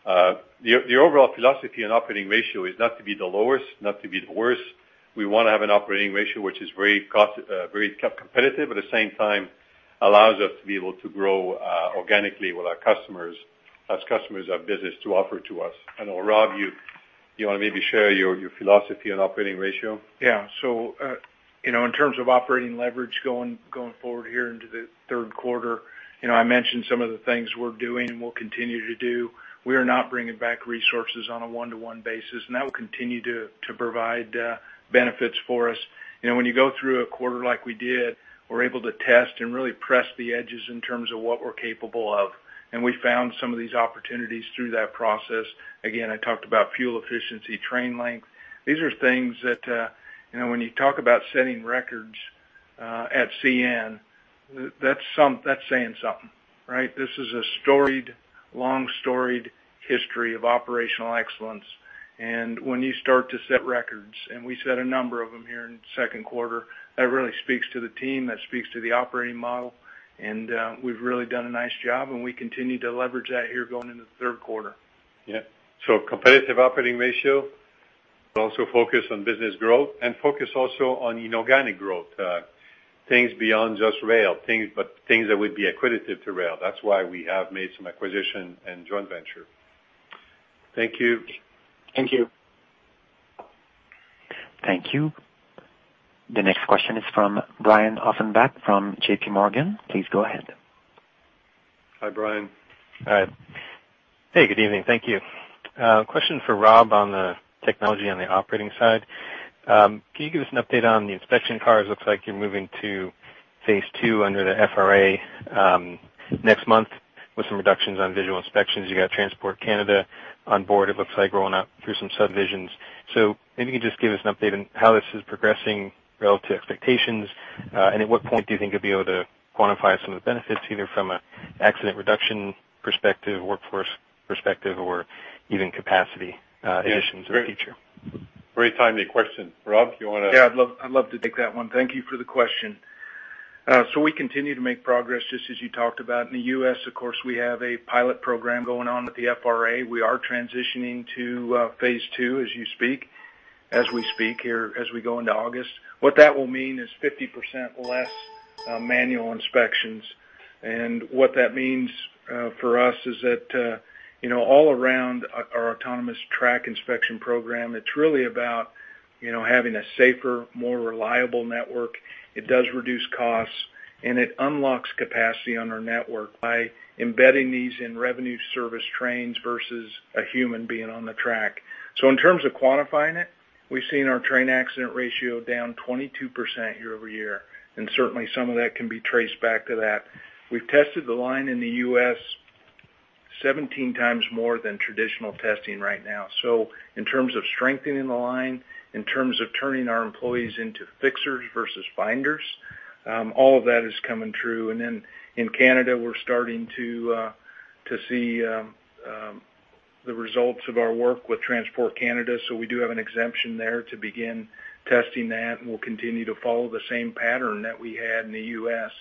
S3: The overall philosophy on operating ratio is not to be the lowest, not to be the worst. We want to have an operating ratio which is very competitive, at the same time, allows us to be able to grow organically with our customers as customers have business to offer to us. I know, Rob, you want to maybe share your philosophy on operating ratio?
S4: In terms of operating leverage going forward here into the third quarter, I mentioned some of the things we're doing and we'll continue to do. We are not bringing back resources on a one-to-one basis, that will continue to provide benefits for us. When you go through a quarter like we did, we're able to test and really press the edges in terms of what we're capable of, we found some of these opportunities through that process. Again, I talked about fuel efficiency, train length. These are things that when you talk about setting records at CN, that's saying something. This is a long, storied history of operational excellence, and when you start to set records, and we set a number of them here in the second quarter, that really speaks to the team, that speaks to the operating model, and we've really done a nice job, and we continue to leverage that here going into the third quarter.
S3: Yeah. Competitive operating ratio, but also focus on business growth and focus also on inorganic growth, things beyond just rail, but things that would be accretive to rail. That's why we have made some acquisition and joint venture. Thank you.
S15: Thank you.
S1: Thank you. The next question is from Brian Ossenbeck from J.P. Morgan. Please go ahead.
S3: Hi, Brian.
S16: Hi. Hey, good evening. Thank you. Question for Rob on the technology on the operating side. Can you give us an update on the inspection cars? Looks like you're moving to phase 2 under the FRA next month with some reductions on visual inspections. You got Transport Canada on board, it looks like, rolling out through some subdivisions. Maybe you can just give us an update on how this is progressing relative to expectations, and at what point do you think you'll be able to quantify some of the benefits, either from an accident reduction perspective, workforce perspective, or even capacity additions in the future?
S3: Very timely question. Rob, you want to?
S4: Yeah, I'd love to take that one. Thank you for the question. We continue to make progress, just as you talked about. In the U.S., of course, we have a pilot program going on with the FRA. We are transitioning to phase II as we speak here, as we go into August. What that will mean is 50% less manual inspections. What that means for us is that all around our autonomous track inspection program, it's really about having a safer, more reliable network. It does reduce costs, and it unlocks capacity on our network by embedding these in revenue service trains versus a human being on the track. In terms of quantifying it, we've seen our train accident ratio down 22% year-over-year, and certainly some of that can be traced back to that. We've tested the line in the U.S. 17 times more than traditional testing right now. In terms of strengthening the line, in terms of turning our employees into fixers versus finders, all of that is coming true. In Canada, we're starting to see the results of our work with Transport Canada. We do have an exemption there to begin testing that, and we'll continue to follow the same pattern that we had in the U.S.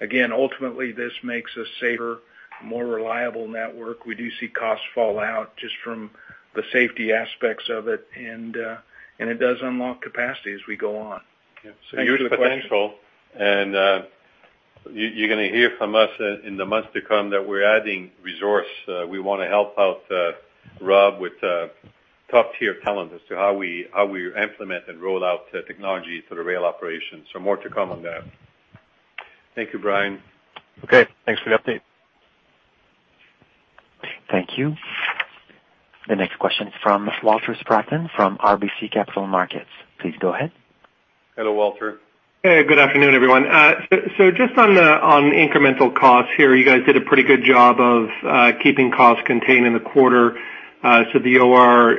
S4: Again, ultimately, this makes a safer, more reliable network. We do see costs fall out just from the safety aspects of it, and it does unlock capacity as we go on.
S3: Yeah. Hugely potential. You're going to hear from us in the months to come that we're adding resource. We want to help out Rob with top-tier talent as to how we implement and roll out technology to the rail operations. More to come on that. Thank you, Brian.
S16: Okay. Thanks for the update.
S1: Thank you. The next question is from Walter Spracklin from RBC Capital Markets. Please go ahead.
S3: Hello, Walter.
S17: Hey, good afternoon, everyone. Just on the incremental cost here, you guys did a pretty good job of keeping costs contained in the quarter. The OR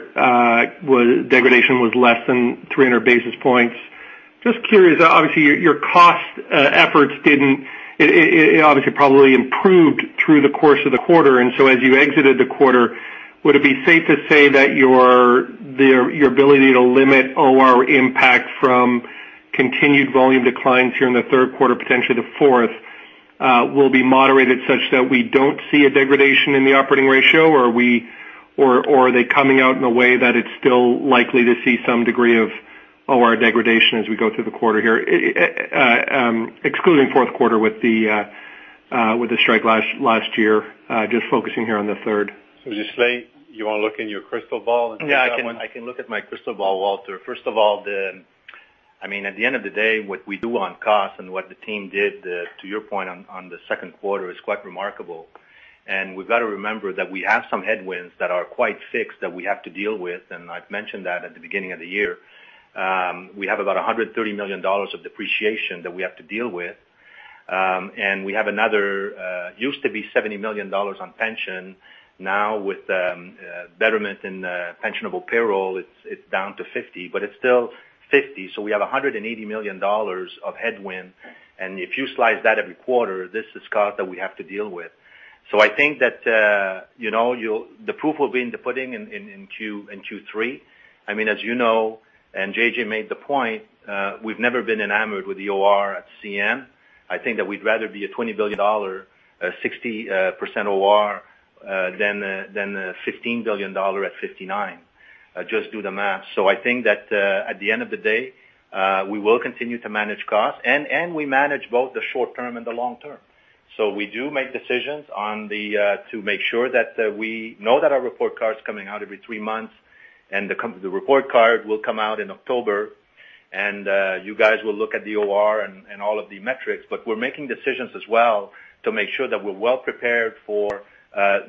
S17: degradation was less than 300 basis points. Just curious, obviously your cost efforts, it obviously probably improved through the course of the quarter. As you exited the quarter, would it be safe to say that your ability to limit OR impact from continued volume declines here in the third quarter, potentially the fourth, will be moderated such that we do not see a degradation in the operating ratio? Are they coming out in a way that it's still likely to see some degree of OR degradation as we go through the quarter here? Excluding fourth quarter with the strike last year, just focusing here on the third.
S3: [Ghislain], you want to look in your crystal ball and take that one?
S7: Yeah, I can look at my crystal ball, Walter. At the end of the day, what we do on cost and what the team did, to your point on the second quarter, is quite remarkable. We've got to remember that we have some headwinds that are quite fixed that we have to deal with, and I've mentioned that at the beginning of the year. We have about 130 million dollars of depreciation that we have to deal with. We have another, used to be 70 million dollars on pension. With betterment in pensionable payroll, it's down to 50, but it's still 50. We have 180 million dollars of headwind, and if you slice that every quarter, this is cost that we have to deal with. I think that the proof will be in the pudding in Q3. As you know, JJ made the point, we've never been enamored with the OR at CN. I think that we'd rather be a 20 billion dollar, 60% OR than a 15 billion dollar at 59%. Just do the math. I think that at the end of the day, we will continue to manage costs, and we manage both the short term and the long term. We do make decisions to make sure that we know that our report card's coming out every three months, and the report card will come out in October. You guys will look at the OR and all of the metrics, but we're making decisions as well to make sure that we're well prepared for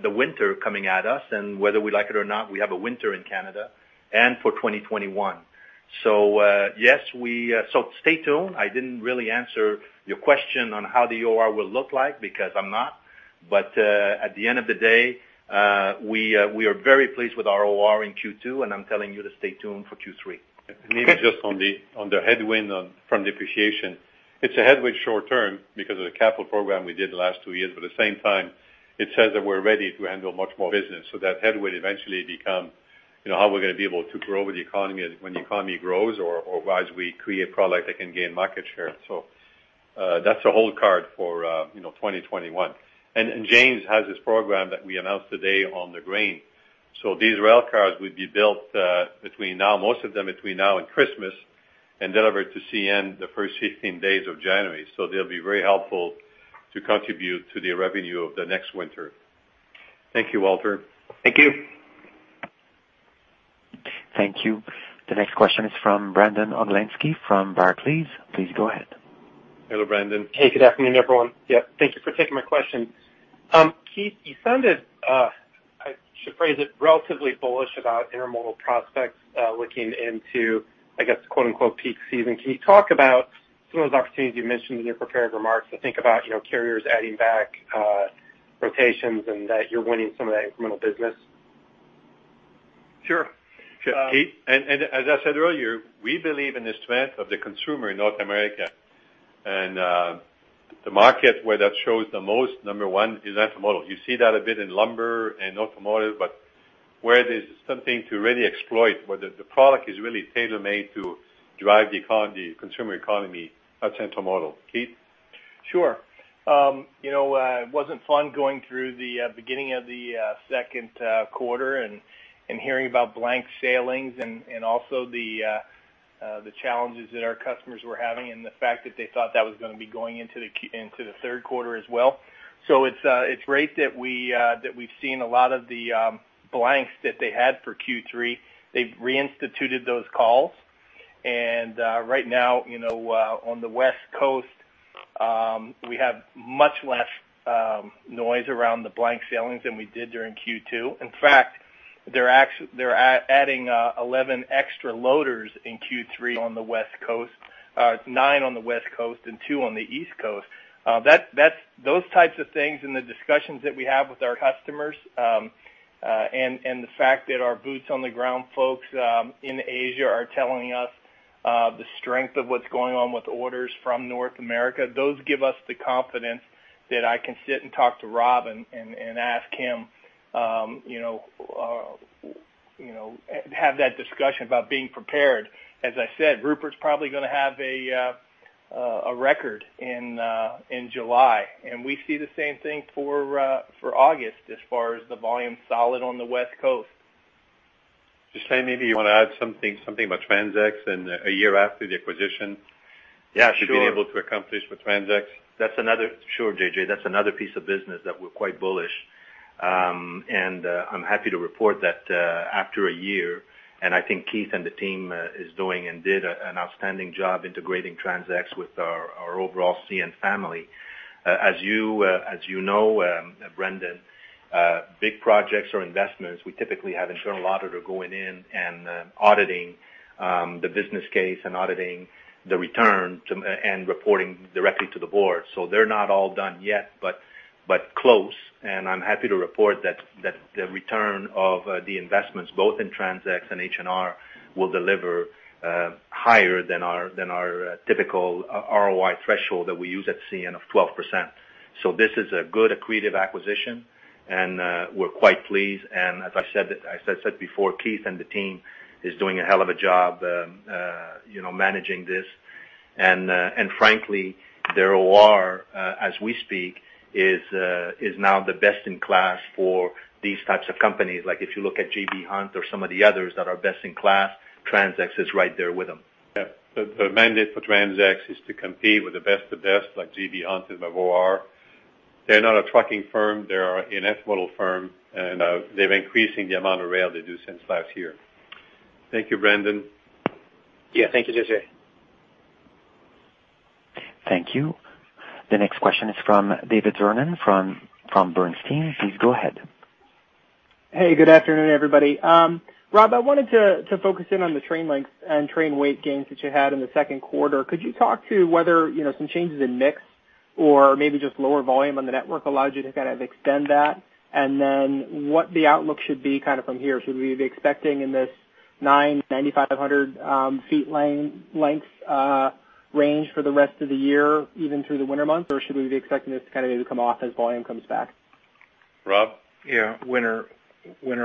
S7: the winter coming at us, and whether we like it or not, we have a winter in Canada, and for 2021. Stay tuned. I didn't really answer your question on how the OR will look like because I'm not. At the end of the day, we are very pleased with our OR in Q2, and I'm telling you to stay tuned for Q3.
S17: Okay. Maybe just on the headwind from depreciation. It's a headwind short term because of the capital program we did the last two years. At the same time, it says that we're ready to handle much more business. That headwind eventually become how we're going to be able to grow with the economy when the economy grows or as we create product that can gain market share. That's a whole card for 2021. James has this program that we announced today on the grain. These rail cars would be built, most of them between now and Christmas, and delivered to CN the first 15 days of January. They'll be very helpful to contribute to the revenue of the next winter. Thank you, Walter. Thank you.
S1: Thank you. The next question is from Brandon Oglenski from Barclays. Please go ahead.
S3: Hello, Brandon.
S18: Hey, good afternoon, everyone. Yeah, thank you for taking my question. Keith, you sounded, I should phrase it, relatively bullish about intermodal prospects looking into, I guess, quote-unquote, "peak season." Can you talk about some of those opportunities you mentioned in your prepared remarks? I think about carriers adding back rotations and that you're winning some of that incremental business.
S3: Sure. Keith, as I said earlier, we believe in the strength of the consumer in North America. The market where that shows the most, number 1, is intermodal. You see that a bit in lumber and automotive. Where there's something to really exploit, where the product is really tailor-made to drive the consumer economy, our [intermodal]. Keith?
S6: Sure. It wasn't fun going through the beginning of the second quarter and hearing about blank sailings and also the challenges that our customers were having, and the fact that they thought that was going to be going into the third quarter as well. It's great that we've seen a lot of the blanks that they had for Q3. They've reinstituted those calls. Right now, on the West Coast, we have much less noise around the blank sailings than we did during Q2. In fact, they're adding 11 extra loaders in Q3 on the West Coast. nine on the West Coast and two on the East Coast. Those types of things and the discussions that we have with our customers, and the fact that our boots on the ground folks in Asia are telling us the strength of what's going on with orders from North America, those give us the confidence that I can sit and talk to Rob and have that discussion about being prepared. As I said, Rupert's probably going to have a record in July, and we see the same thing for August as far as the volume solid on the West Coast.
S3: Ghislain, maybe you want to add something about TransX and a year after the acquisition.
S7: Yeah, sure. to be able to accomplish with TransX. Sure, J.J. That's another piece of business that we're quite bullish. I'm happy to report that after a year, I think Keith and the team is doing and did an outstanding job integrating TransX with our overall CN family. As you know, Brandon, big projects or investments, we typically have internal auditor going in and auditing the business case, and auditing the return, and reporting directly to the board. They're not all done yet, but close, and I'm happy to report that the return of the investments, both in TransX and H&R, will deliver higher than our typical ROI threshold that we use at CN of 12%. This is a good accretive acquisition, and we're quite pleased. As I said before, Keith and the team is doing a hell of a job managing this. Frankly, their OR, as we speak, is now the best in class for these types of companies. Like if you look at J.B. Hunt or some of the others that are best in class, TransX is right there with them.
S3: Yeah. The mandate for TransX is to compete with the best of best, like J.B. Hunt and ROAR. They're not a trucking firm, they're an asset model firm, and they're increasing the amount of rail they do since last year. Thank you, Brandon.
S18: Yeah. Thank you, JJ.
S1: Thank you. The next question is from David Vernon from Bernstein. Please go ahead.
S19: Hey, good afternoon, everybody. Rob, I wanted to focus in on the train length and train weight gains that you had in the second quarter. Could you talk to whether some changes in mix or maybe just lower volume on the network allowed you to kind of extend that? What the outlook should be from here? Should we be expecting in this 9,500 feet length range for the rest of the year, even through the winter months, or should we be expecting this to maybe come off as volume comes back?
S3: Rob?
S4: Winter,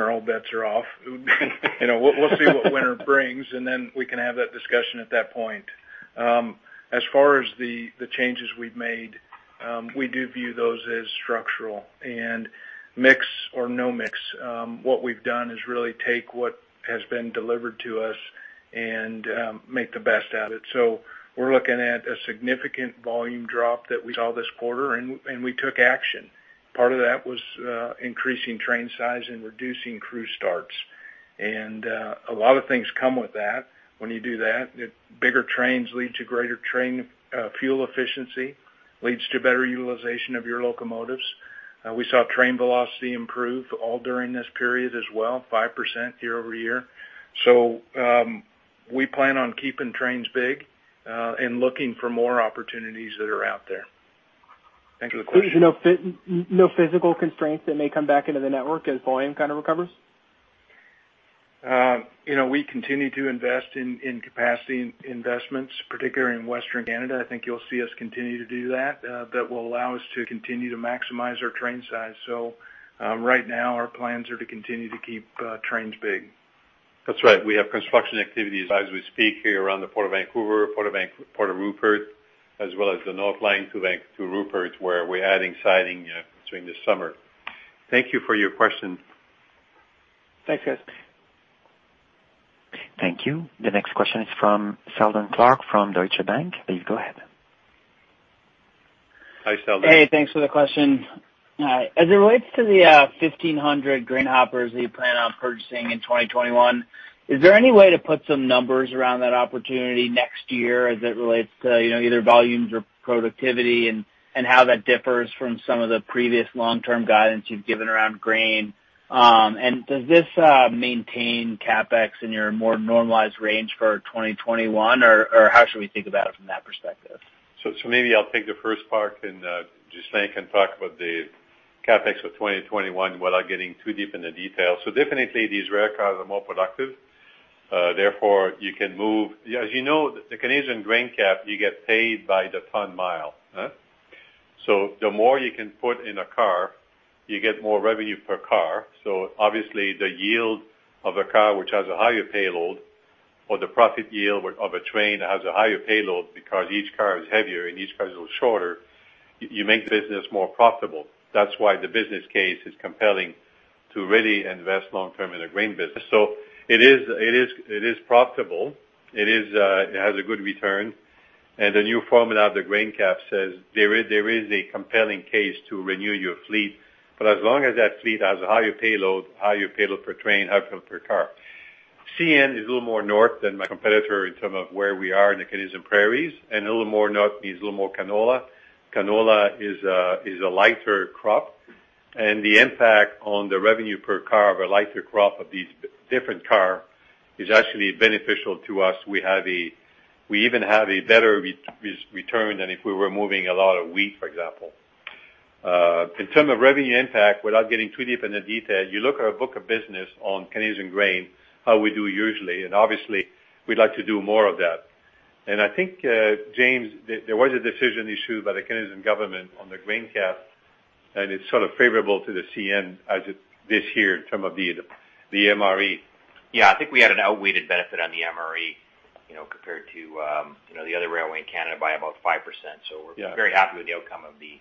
S4: all bets are off. We'll see what winter brings, and then we can have that discussion at that point. As far as the changes we've made, we do view those as structural, and mix or no mix, what we've done is really take what has been delivered to us and make the best out of it. We're looking at a significant volume drop that we saw this quarter, and we took action. Part of that was increasing train size and reducing crew starts. A lot of things come with that when you do that. Bigger trains lead to greater train fuel efficiency, leads to better utilization of your locomotives. We saw train velocity improve all during this period as well, 5% year-over-year. We plan on keeping trains big, and looking for more opportunities that are out there. Thank you for the question.
S19: There's no physical constraints that may come back into the network as volume kind of recovers?
S4: We continue to invest in capacity investments, particularly in Western Canada. I think you'll see us continue to do that. That will allow us to continue to maximize our train size. Right now our plans are to continue to keep trains big.
S3: That's right. We have construction activities as we speak here around the Port of Vancouver, Port of Rupert, as well as the North line to Rupert, where we're adding siding during the summer. Thank you for your question.
S19: Thanks, guys.
S1: Thank you. The next question is from Sheldon Clark from Deutsche Bank. Please go ahead.
S3: Hi, Sheldon.
S20: Hey, thanks for the question. As it relates to the 1,500 grain hoppers that you plan on purchasing in 2021, is there any way to put some numbers around that opportunity next year as it relates to either volumes or productivity, and how that differs from some of the previous long-term guidance you've given around grain? Does this maintain CapEx in your more normalized range for 2021, or how should we think about it from that perspective?
S3: Maybe I'll take the first part, then Ghislain can talk about the CapEx for 2021 without getting too deep in the details. Definitely these rail cars are more productive. As you know, the Canadian grain cap, you get paid by the ton mile.
S20: Yeah.
S3: The more you can put in a car, you get more revenue per car. Obviously, the yield of a car which has a higher payload, or the profit yield of a train that has a higher payload because each car is heavier and each car is a little shorter, you make the business more profitable. That's why the business case is compelling to really invest long-term in the grain business. It is profitable. It has a good return, the new formula of the grain cap says there is a compelling case to renew your fleet. As long as that fleet has a higher payload, higher payload per train, higher payload per car. CN is a little more north than my competitor in terms of where we are in the Canadian Prairies, and a little more north means a little more canola. Canola is a lighter crop, and the impact on the revenue per car of a lighter crop of these different car is actually beneficial to us. We even have a better return than if we were moving a lot of wheat, for example. In terms of revenue impact, without getting too deep into detail, you look at our book of business on Canadian grain, how we do usually, and obviously, we'd like to do more of that. I think, James, there was a decision issued by the Canadian government on the grain cap, and it's sort of favorable to the CN as of this year in term of the MRE.
S5: Yeah, I think we had an outweighed benefit on the MRE, compared to the other railway in Canada by about 5%.
S3: Yeah.
S5: We're very happy with the outcome of the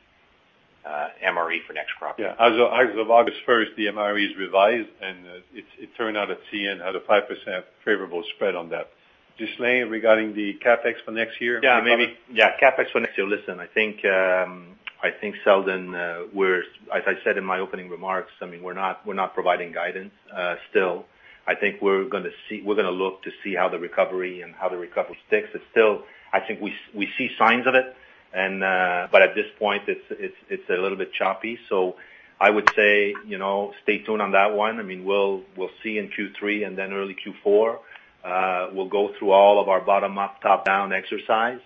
S5: MRE for next crop year.
S3: Yeah. As of August 1st, the MRE is revised, and it turned out that CN had a 5% favorable spread on that. Ghislain, regarding the CapEx for next year?
S7: Yeah. CapEx for next year. Listen, I think, Sheldon G., as I said in my opening remarks, we're not providing guidance still. I think we're gonna look to see how the recovery and how the recovery sticks. I think we see signs of it, but at this point it's a little bit choppy. I would say, stay tuned on that one. We'll see in Q3 and then early Q4. We'll go through all of our bottom up, top-down exercise.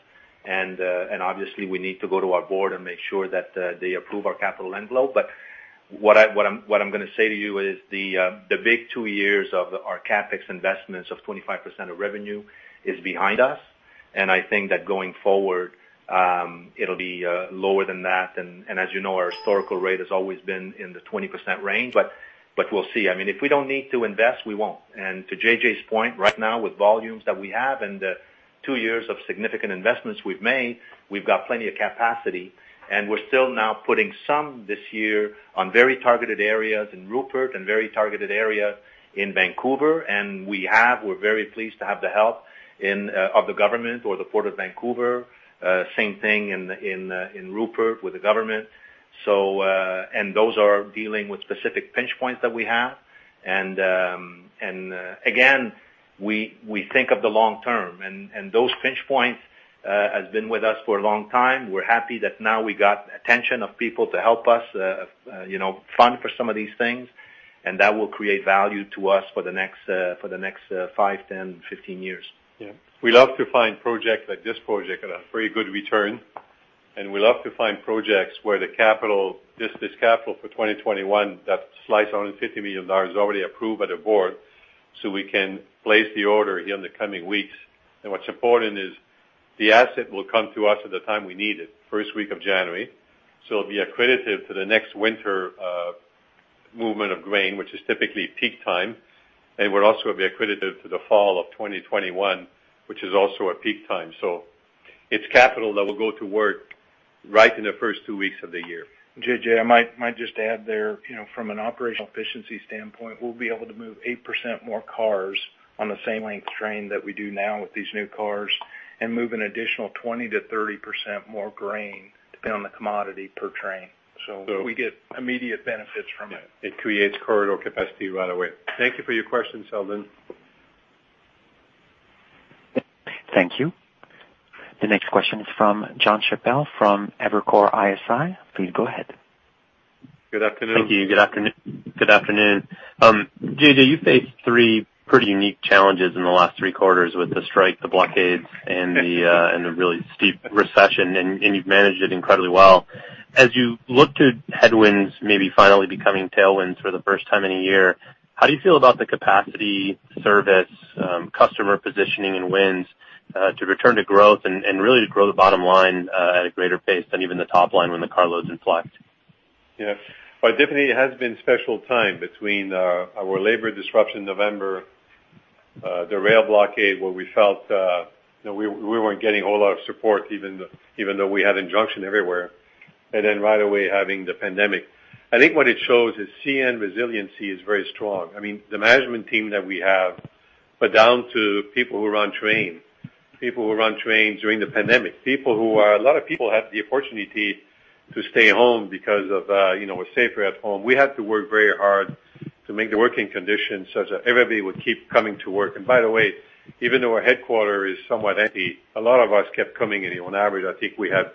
S7: Obviously we need to go to our board and make sure that they approve our capital envelope. What I'm gonna say to you is the big two years of our CapEx investments of 25% of revenue is behind us, and I think that going forward, it'll be lower than that. As you know, our historical rate has always been in the 20% range. We'll see. If we don't need to invest, we won't. To JJ's point, right now with volumes that we have and the two years of significant investments we've made, we've got plenty of capacity, we're still now putting some this year on very targeted areas in Rupert and very targeted area in Vancouver. We're very pleased to have the help of the government or the Port of Vancouver. Same thing in Rupert with the government. Those are dealing with specific pinch points that we have. Again, we think of the long term, and those pinch points has been with us for a long time. We're happy that now we got attention of people to help us fund for some of these things, and that will create value to us for the next five, 10, 15 years.
S3: Yeah. We love to find projects like this project at a very good return, and we love to find projects where this capital for 2021, that slice 150 million dollars is already approved by the Board, so we can place the order here in the coming weeks. What's important is the asset will come to us at the time we need it, first week of January. It'll be accretive to the next winter movement of grain, which is typically peak time, and would also be accretive to the fall of 2021, which is also a peak time. It's capital that will go to work right in the first two weeks of the year.
S5: J.J., I might just add there, from an operational efficiency standpoint, we'll be able to move 8% more cars on the same length train that we do now with these new cars and move an additional 20%-30% more grain, depending on the commodity per train.
S3: So-
S5: We get immediate benefits from it.
S3: Yeah. It creates corridor capacity right away. Thank you for your question, Sheldon.
S1: Thank you. The next question is from Jonathan Chappell from Evercore ISI. Please go ahead.
S3: Good afternoon.
S21: Thank you. Good afternoon. JJ, you faced three pretty unique challenges in the last three quarters with the strike, the blockades, and the really steep recession, and you've managed it incredibly well. As you look to headwinds, maybe finally becoming tailwinds for the first time in a year, how do you feel about the capacity, service, customer positioning, and wins to return to growth and really to grow the bottom line at a greater pace than even the top line when the car loads inflect?
S3: Well, definitely it has been special time between our labor disruption November, the rail blockade, where we felt we weren't getting a whole lot of support even though we had injunction everywhere. Right away having the pandemic. I think what it shows is CN resiliency is very strong. The management team that we have, but down to people who run trains during the pandemic. A lot of people have the opportunity to stay home because we're safer at home. We had to work very hard to make the working conditions such that everybody would keep coming to work. By the way, even though our headquarters is somewhat empty, a lot of us kept coming in. On average, I think we have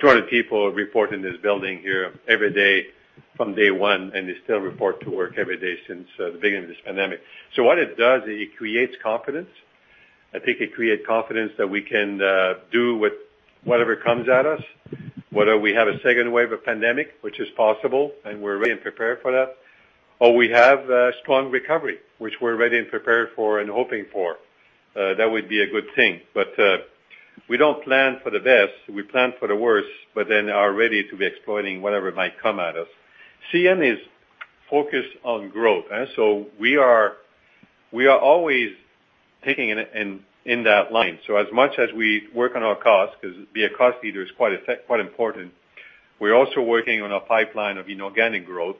S3: 200 people report in this building here every day from day one, and they still report to work every day since the beginning of this pandemic. What it does is it creates confidence. I think it creates confidence that we can do with whatever comes at us, whether we have a second wave of pandemic, which is possible, and we're ready and prepared for that, or we have a strong recovery, which we're ready and prepared for and hoping for. That would be a good thing. We don't plan for the best, we plan for the worst, but then are ready to be exploiting whatever might come at us. CN is focused on growth. We are always thinking in that line. As much as we work on our cost, because being a cost leader is quite important, we're also working on a pipeline of inorganic growth.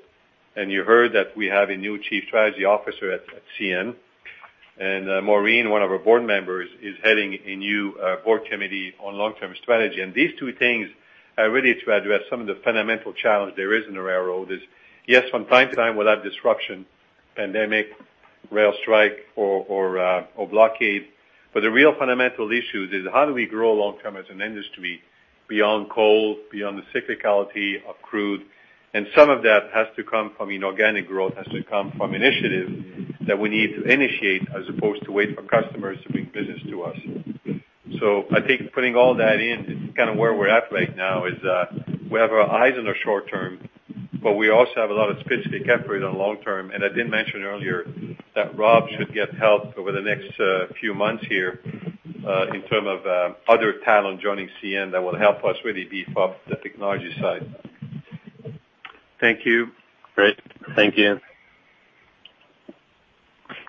S3: You heard that we have a new Chief Strategy Officer at CN, and Maureen, one of our board members, is heading a new board committee on long-term strategy. These two things are really to address some of the fundamental challenge there is in the railroad is, yes, from time to time, we'll have disruption, pandemic, rail strike, or blockade. The real fundamental issue is how do we grow long-term as an industry beyond coal, beyond the cyclicality of crude? Some of that has to come from inorganic growth, has to come from initiatives that we need to initiate as opposed to wait for customers to bring business to us. I think putting all that in, kind of where we're at right now is, we have our eyes on the short term, but we also have a lot of bases to be covered on long term. I didn't mention earlier that Rob should get help over the next few months here, in terms of other talent joining CN that will help us really beef up the technology side.
S21: Thank you.
S3: Great. Thank you.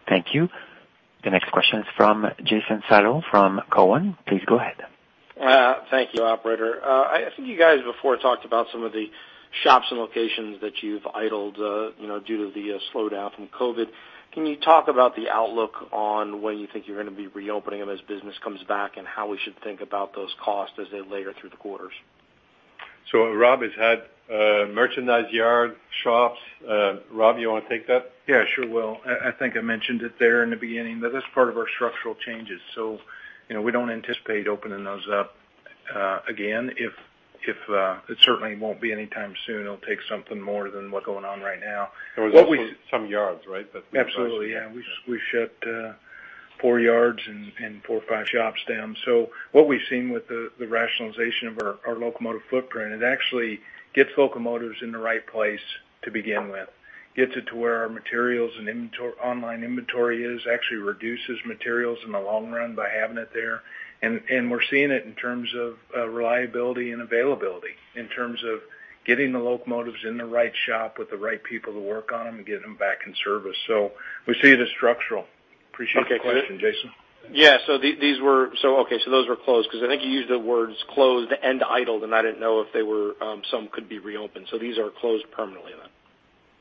S1: Thank you. The next question is from Jason Seidl from Cowen. Please go ahead.
S22: Thank you, operator. I think you guys before talked about some of the shops and locations that you've idled due to the slowdown from COVID. Can you talk about the outlook on when you think you're going to be reopening them as business comes back and how we should think about those costs as they layer through the quarters?
S3: Rob has had merchandise yard shops. Rob, you want to take that?
S4: Yeah, sure will. I think I mentioned it there in the beginning, that that's part of our structural changes. We don't anticipate opening those up again. It certainly won't be anytime soon. It'll take something more than what's going on right now.
S3: There was some yards, right?
S4: Absolutely, yeah. We shut four yards and four or five shops down. What we've seen with the rationalization of our locomotive footprint, it actually gets locomotives in the right place to begin with, gets it to where our materials and online inventory is. Actually reduces materials in the long run by having it there. We're seeing it in terms of reliability and availability, in terms of getting the locomotives in the right shop with the right people to work on them and get them back in service. We see it as structural. Appreciate the question, Jason.
S22: Yeah. Those were closed, because I think you used the words closed and idled, and I didn't know if some could be reopened. These are closed permanently then?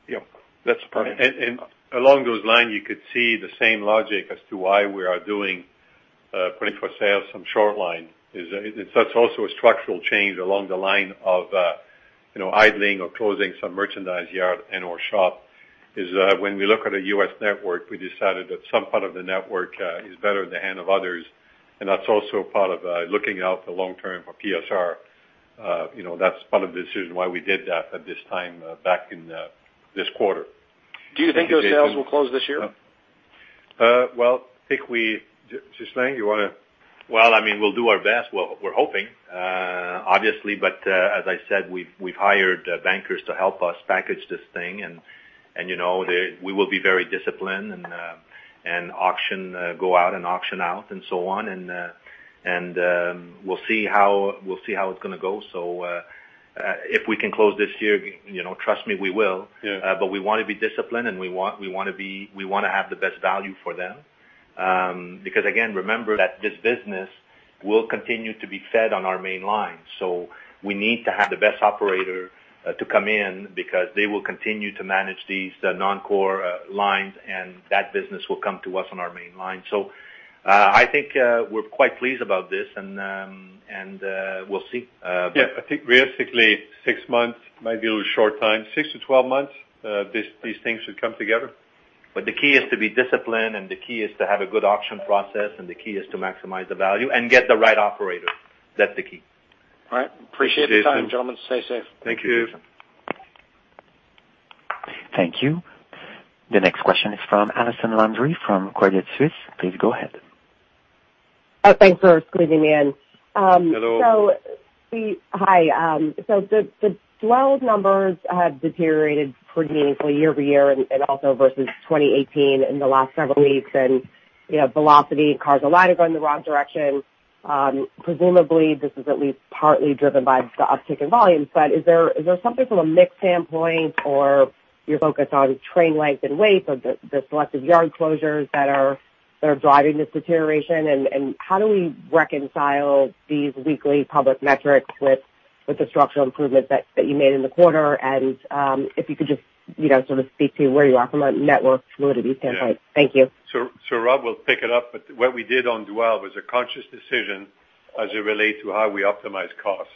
S4: Yep. That's permanent.
S3: Along those lines, you could see the same logic as to why we are putting for sale some short line. That's also a structural change along the line of idling or closing some merchandise yard and/or shop is when we look at a U.S. network, we decided that some part of the network is better in the hand of others, and that's also part of looking out for long term for PSR. That's part of the decision why we did that at this time back in this quarter.
S22: Do you think those sales will close this year?
S3: Well, I think Ghislain, you want to?
S7: Well, we'll do our best. Well, we're hoping, obviously, but as I said, we've hired bankers to help us package this thing, and we will be very disciplined and go out and auction out and so on. We'll see how it's going to go. If we can close this year, trust me, we will.
S3: Yeah.
S7: We want to be disciplined and we want to have the best value for them. Again, remember that this business will continue to be fed on our main line. We need to have the best operator to come in because they will continue to manage these non-core lines, and that business will come to us on our main line. I think we're quite pleased about this, and we'll see.
S3: Yeah. I think realistically, six months might be a little short time. Six months-12 months, these things should come together.
S7: The key is to be disciplined, and the key is to have a good auction process, and the key is to maximize the value and get the right operator. That's the key.
S22: All right. Appreciate the time, gentlemen. Stay safe.
S3: Thank you.
S7: Thank you, Jason.
S1: Thank you. The next question is from Allison Landry from Credit Suisse. Please go ahead.
S23: Thanks for squeezing me in.
S3: Hello.
S23: Hi. The dwell numbers have deteriorated pretty meaningfully year-over-year and also versus 2018 in the last several weeks, and velocity and cars on line are going in the wrong direction. Presumably this is at least partly driven by the uptick in volume. Is there something from a mix standpoint or your focus on train length and weight of the selective yard closures that are driving this deterioration? How do we reconcile these weekly public metrics with the structural improvements that you made in the quarter? If you could just sort of speak to where you are from a network fluidity standpoint. Thank you.
S3: Rob will pick it up. What we did on dwell was a conscious decision as it relates to how we optimize costs.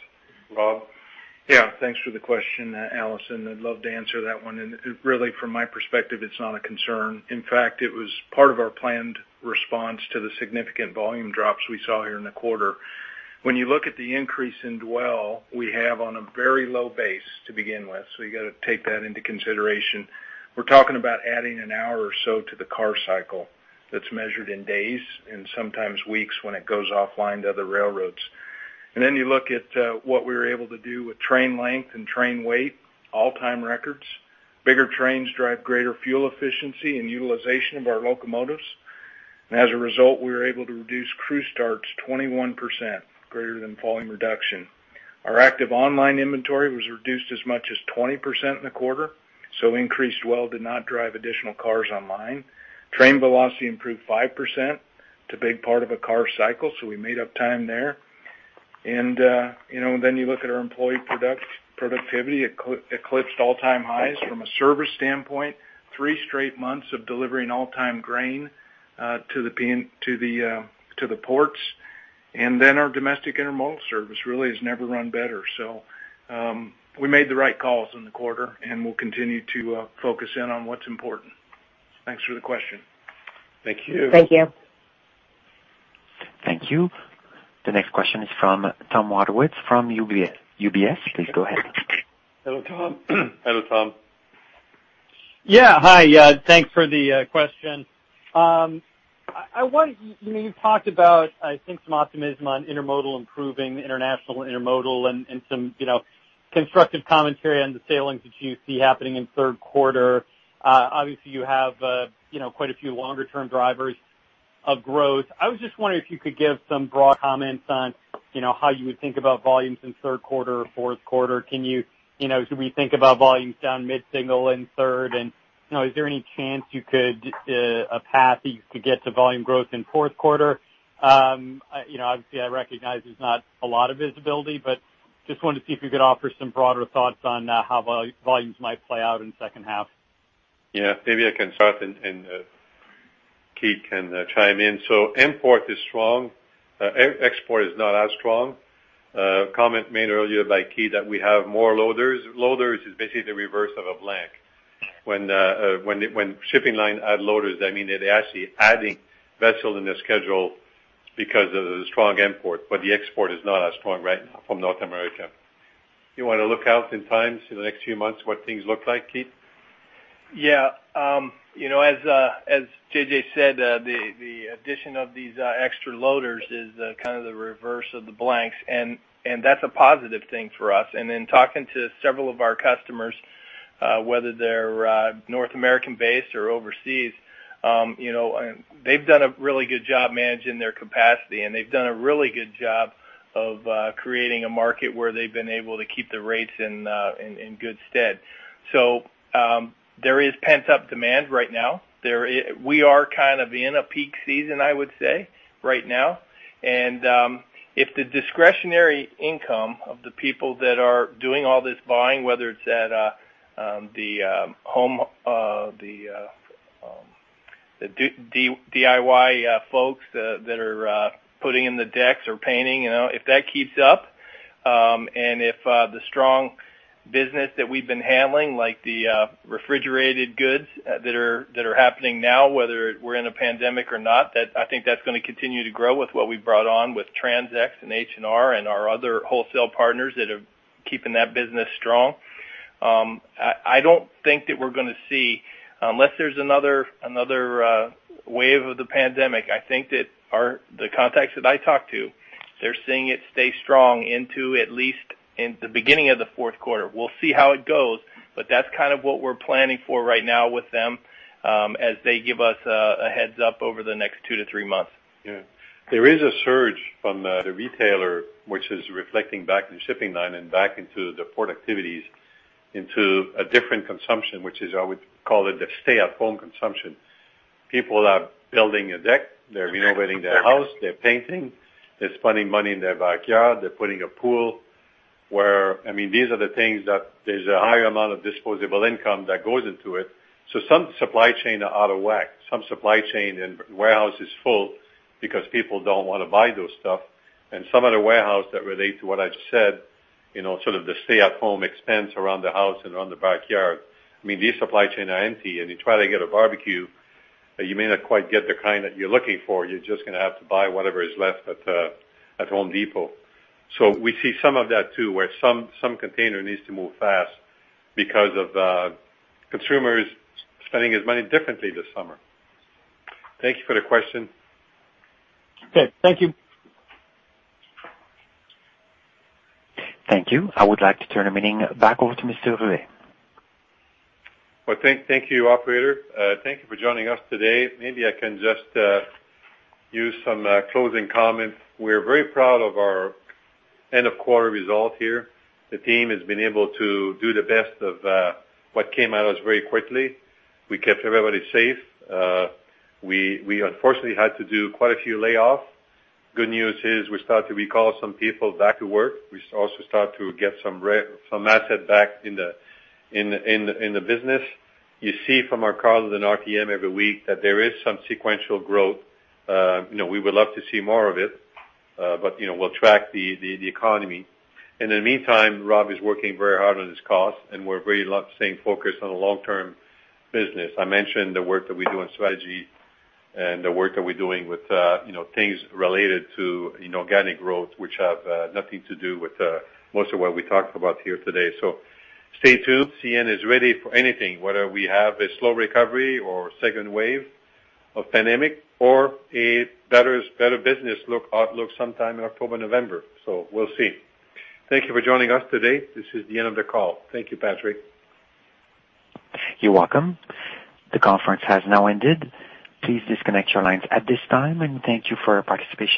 S3: Rob?
S4: Thanks for the question, Allison. I'd love to answer that one. Really from my perspective, it's not a concern. In fact, it was part of our planned response to the significant volume drops we saw here in the quarter. When you look at the increase in dwell, we have on a very low base to begin with. You got to take that into consideration. We're talking about adding an hour or so to the car cycle that's measured in days and sometimes weeks when it goes offline to other railroads. You look at what we were able to do with train length and train weight, all-time records. Bigger trains drive greater fuel efficiency and utilization of our locomotives. As a result, we were able to reduce crew starts 21%, greater than volume reduction. Our active online inventory was reduced as much as 20% in the quarter, increased dwell did not drive additional cars online. Train velocity improved 5%, to big part of a car cycle, we made up time there. You look at our employee productivity, eclipsed all-time highs from a service standpoint, three straight months of delivering all-time grain to the ports. Our domestic intermodal service really has never run better. We made the right calls in the quarter, and we'll continue to focus in on what's important. Thanks for the question.
S3: Thank you.
S23: Thank you.
S1: Thank you. The next question is from Thomas Wadewitz from UBS. Please go ahead.
S3: Hello, Tom. Hello, Tom.
S24: Yeah. Hi. Thanks for the question. You talked about, I think, some optimism on intermodal improving, international intermodal and some constructive commentary on the sailings that you see happening in third quarter. Obviously, you have quite a few longer-term drivers of growth. I was just wondering if you could give some broad comments on how you would think about volumes in third quarter, fourth quarter. Should we think about volumes down mid-single in third? Is there any chance a path that you could get to volume growth in fourth quarter? Obviously, I recognize there's not a lot of visibility, just wanted to see if you could offer some broader thoughts on how volumes might play out in second half.
S3: Maybe I can start, and Keith can chime in. Import is strong. Export is not as strong. Comment made earlier by Keith that we have more loaders. Loaders is basically the reverse of a blank. When shipping line add loaders, that mean they're actually adding vessel in their schedule because of the strong import, but the export is not as strong right now from North America. You want to look out in times in the next few months what things look like, Keith?
S6: As JJ said, the addition of these extra loaders is kind of the reverse of the blanks, and that's a positive thing for us. In talking to several of our customers, whether they're North American based or overseas, they've done a really good job managing their capacity, and they've done a really good job of creating a market where they've been able to keep the rates in good stead. There is pent-up demand right now. We are kind of in a peak season, I would say, right now. If the discretionary income of the people that are doing all this buying, whether it's the DIY folks that are putting in the decks or painting, if that keeps up, and if the strong business that we've been handling, like the refrigerated goods that are happening now, whether we're in a pandemic or not, I think that's going to continue to grow with what we've brought on with TransX and H&R and our other wholesale partners that are keeping that business strong. I don't think that we're going to see, unless there's another wave of the pandemic, I think that the contacts that I talk to, they're seeing it stay strong into at least in the beginning of the fourth quarter. We'll see how it goes, but that's kind of what we're planning for right now with them, as they give us a heads up over the next two to three months.
S3: Yeah. There is a surge from the retailer, which is reflecting back to the shipping line and back into the port activities into a different consumption, which is, I would call it, the stay-at-home consumption. People are building a deck. They're renovating their house. They're painting. They're spending money in their backyard. They're putting a pool where, these are the things that there's a higher amount of disposable income that goes into it. Some supply chain are out of whack. Some supply chain and warehouse is full because people don't want to buy those stuff. Some of the warehouse that relate to what I've said, sort of the stay-at-home expense around the house and around the backyard. These supply chain are empty, and you try to get a barbecue, you may not quite get the kind that you're looking for. You're just going to have to buy whatever is left at The Home Depot. We see some of that too, where some container needs to move fast because of consumers spending his money differently this summer. Thank you for the question.
S24: Okay. Thank you.
S1: Thank you. I would like to turn the meeting back over to Mr. Ruest.
S3: Well, thank you, operator. Thank you for joining us today. Maybe I can just use some closing comments. We're very proud of our end-of-quarter result here. The team has been able to do the best of what came at us very quickly. We kept everybody safe. We unfortunately had to do quite a few layoffs. Good news is we start to recall some people back to work. We also start to get some assets back in the business. see from our carloads and RTM every week that there is some sequential growth. We would love to see more of it, but we'll track the economy. In the meantime, Rob is working very hard on his cost, and we're very staying focused on the long-term business. I mentioned the work that we do in strategy and the work that we're doing with things related to organic growth, which have nothing to do with most of what we talked about here today. Stay tuned. CN is ready for anything, whether we have a slow recovery or second wave of pandemic or a better business outlook sometime in October, November. We'll see. Thank you for joining us today. This is the end of the call. Thank you, Patrick.
S1: You're welcome. The conference has now ended. Please disconnect your lines at this time, and thank you for your participation.